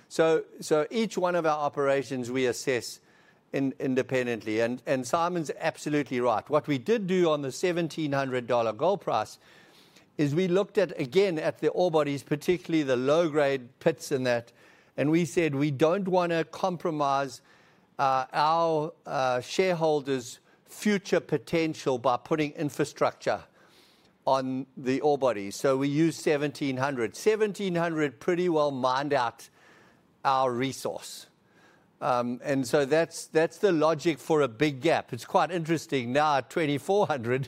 Speaker 2: So each one of our operations we assess independently. And Simon's absolutely right. What we did do on the $1,700 gold price, is we looked at, again, at the ore bodies, particularly the low-grade pits in that, and we said we don't want to compromise our shareholders' future potential by putting infrastructure on the ore body. So we used $1,700. $1,700 pretty well mined out our resource. And so that's the logic for a big gap. It's quite interesting. Now, at $2,400,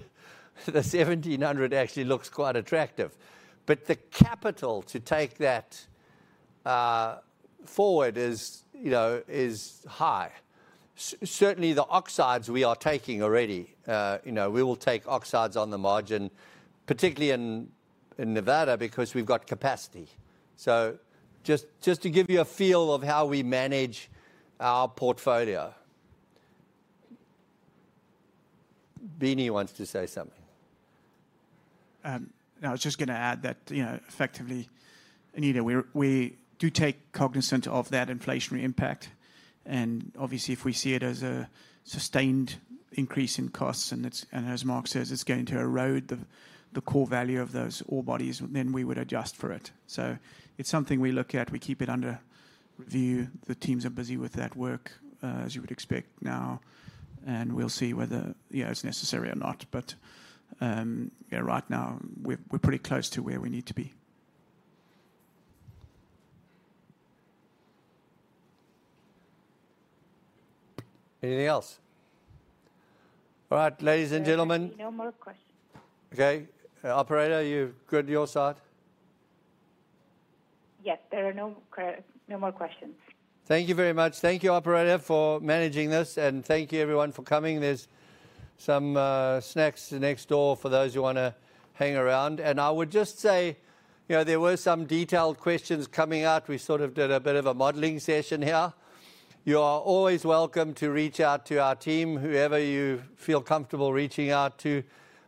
Speaker 2: the $1,700 actually looks quite attractive. But the capital to take that forward is, you know, is high. Certainly, the oxides we are taking already. You know, we will take oxides on the margin, particularly in Nevada, because we've got capacity. Just to give you a feel of how we manage our portfolio. Beenie wants to say something.
Speaker 6: I was just gonna add that, you know, effectively, Anita, we're, we do take cognizant of that inflationary impact, and obviously, if we see it as a sustained increase in costs, and it's, and as Mark says, it's going to erode the, the core value of those ore bodies, then we would adjust for it. So it's something we look at. We keep it under review. The teams are busy with that work, as you would expect now, and we'll see whether, yeah, it's necessary or not. But, yeah, right now, we're, we're pretty close to where we need to be.
Speaker 2: Anything else? All right, ladies and gentlemen.
Speaker 7: No more questions.
Speaker 2: Okay. Operator, are you good on your side?
Speaker 1: Yes, there are no more questions.
Speaker 2: Thank you very much. Thank you, operator, for managing this, and thank you, everyone, for coming. There's some snacks next door for those who wanna hang around. I would just say, you know, there were some detailed questions coming out. We sort of did a bit of a modeling session here. You are always welcome to reach out to our team, whoever you feel comfortable reaching out to.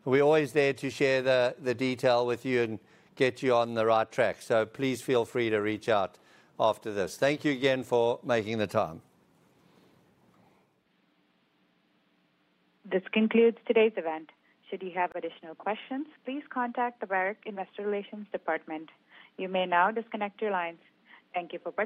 Speaker 2: We're always there to share the detail with you and get you on the right track. So please feel free to reach out after this. Thank you again for making the time.
Speaker 1: This concludes today's event. Should you have additional questions, please contact the Barrick Investor Relations Department. You may now disconnect your lines. Thank you for participating.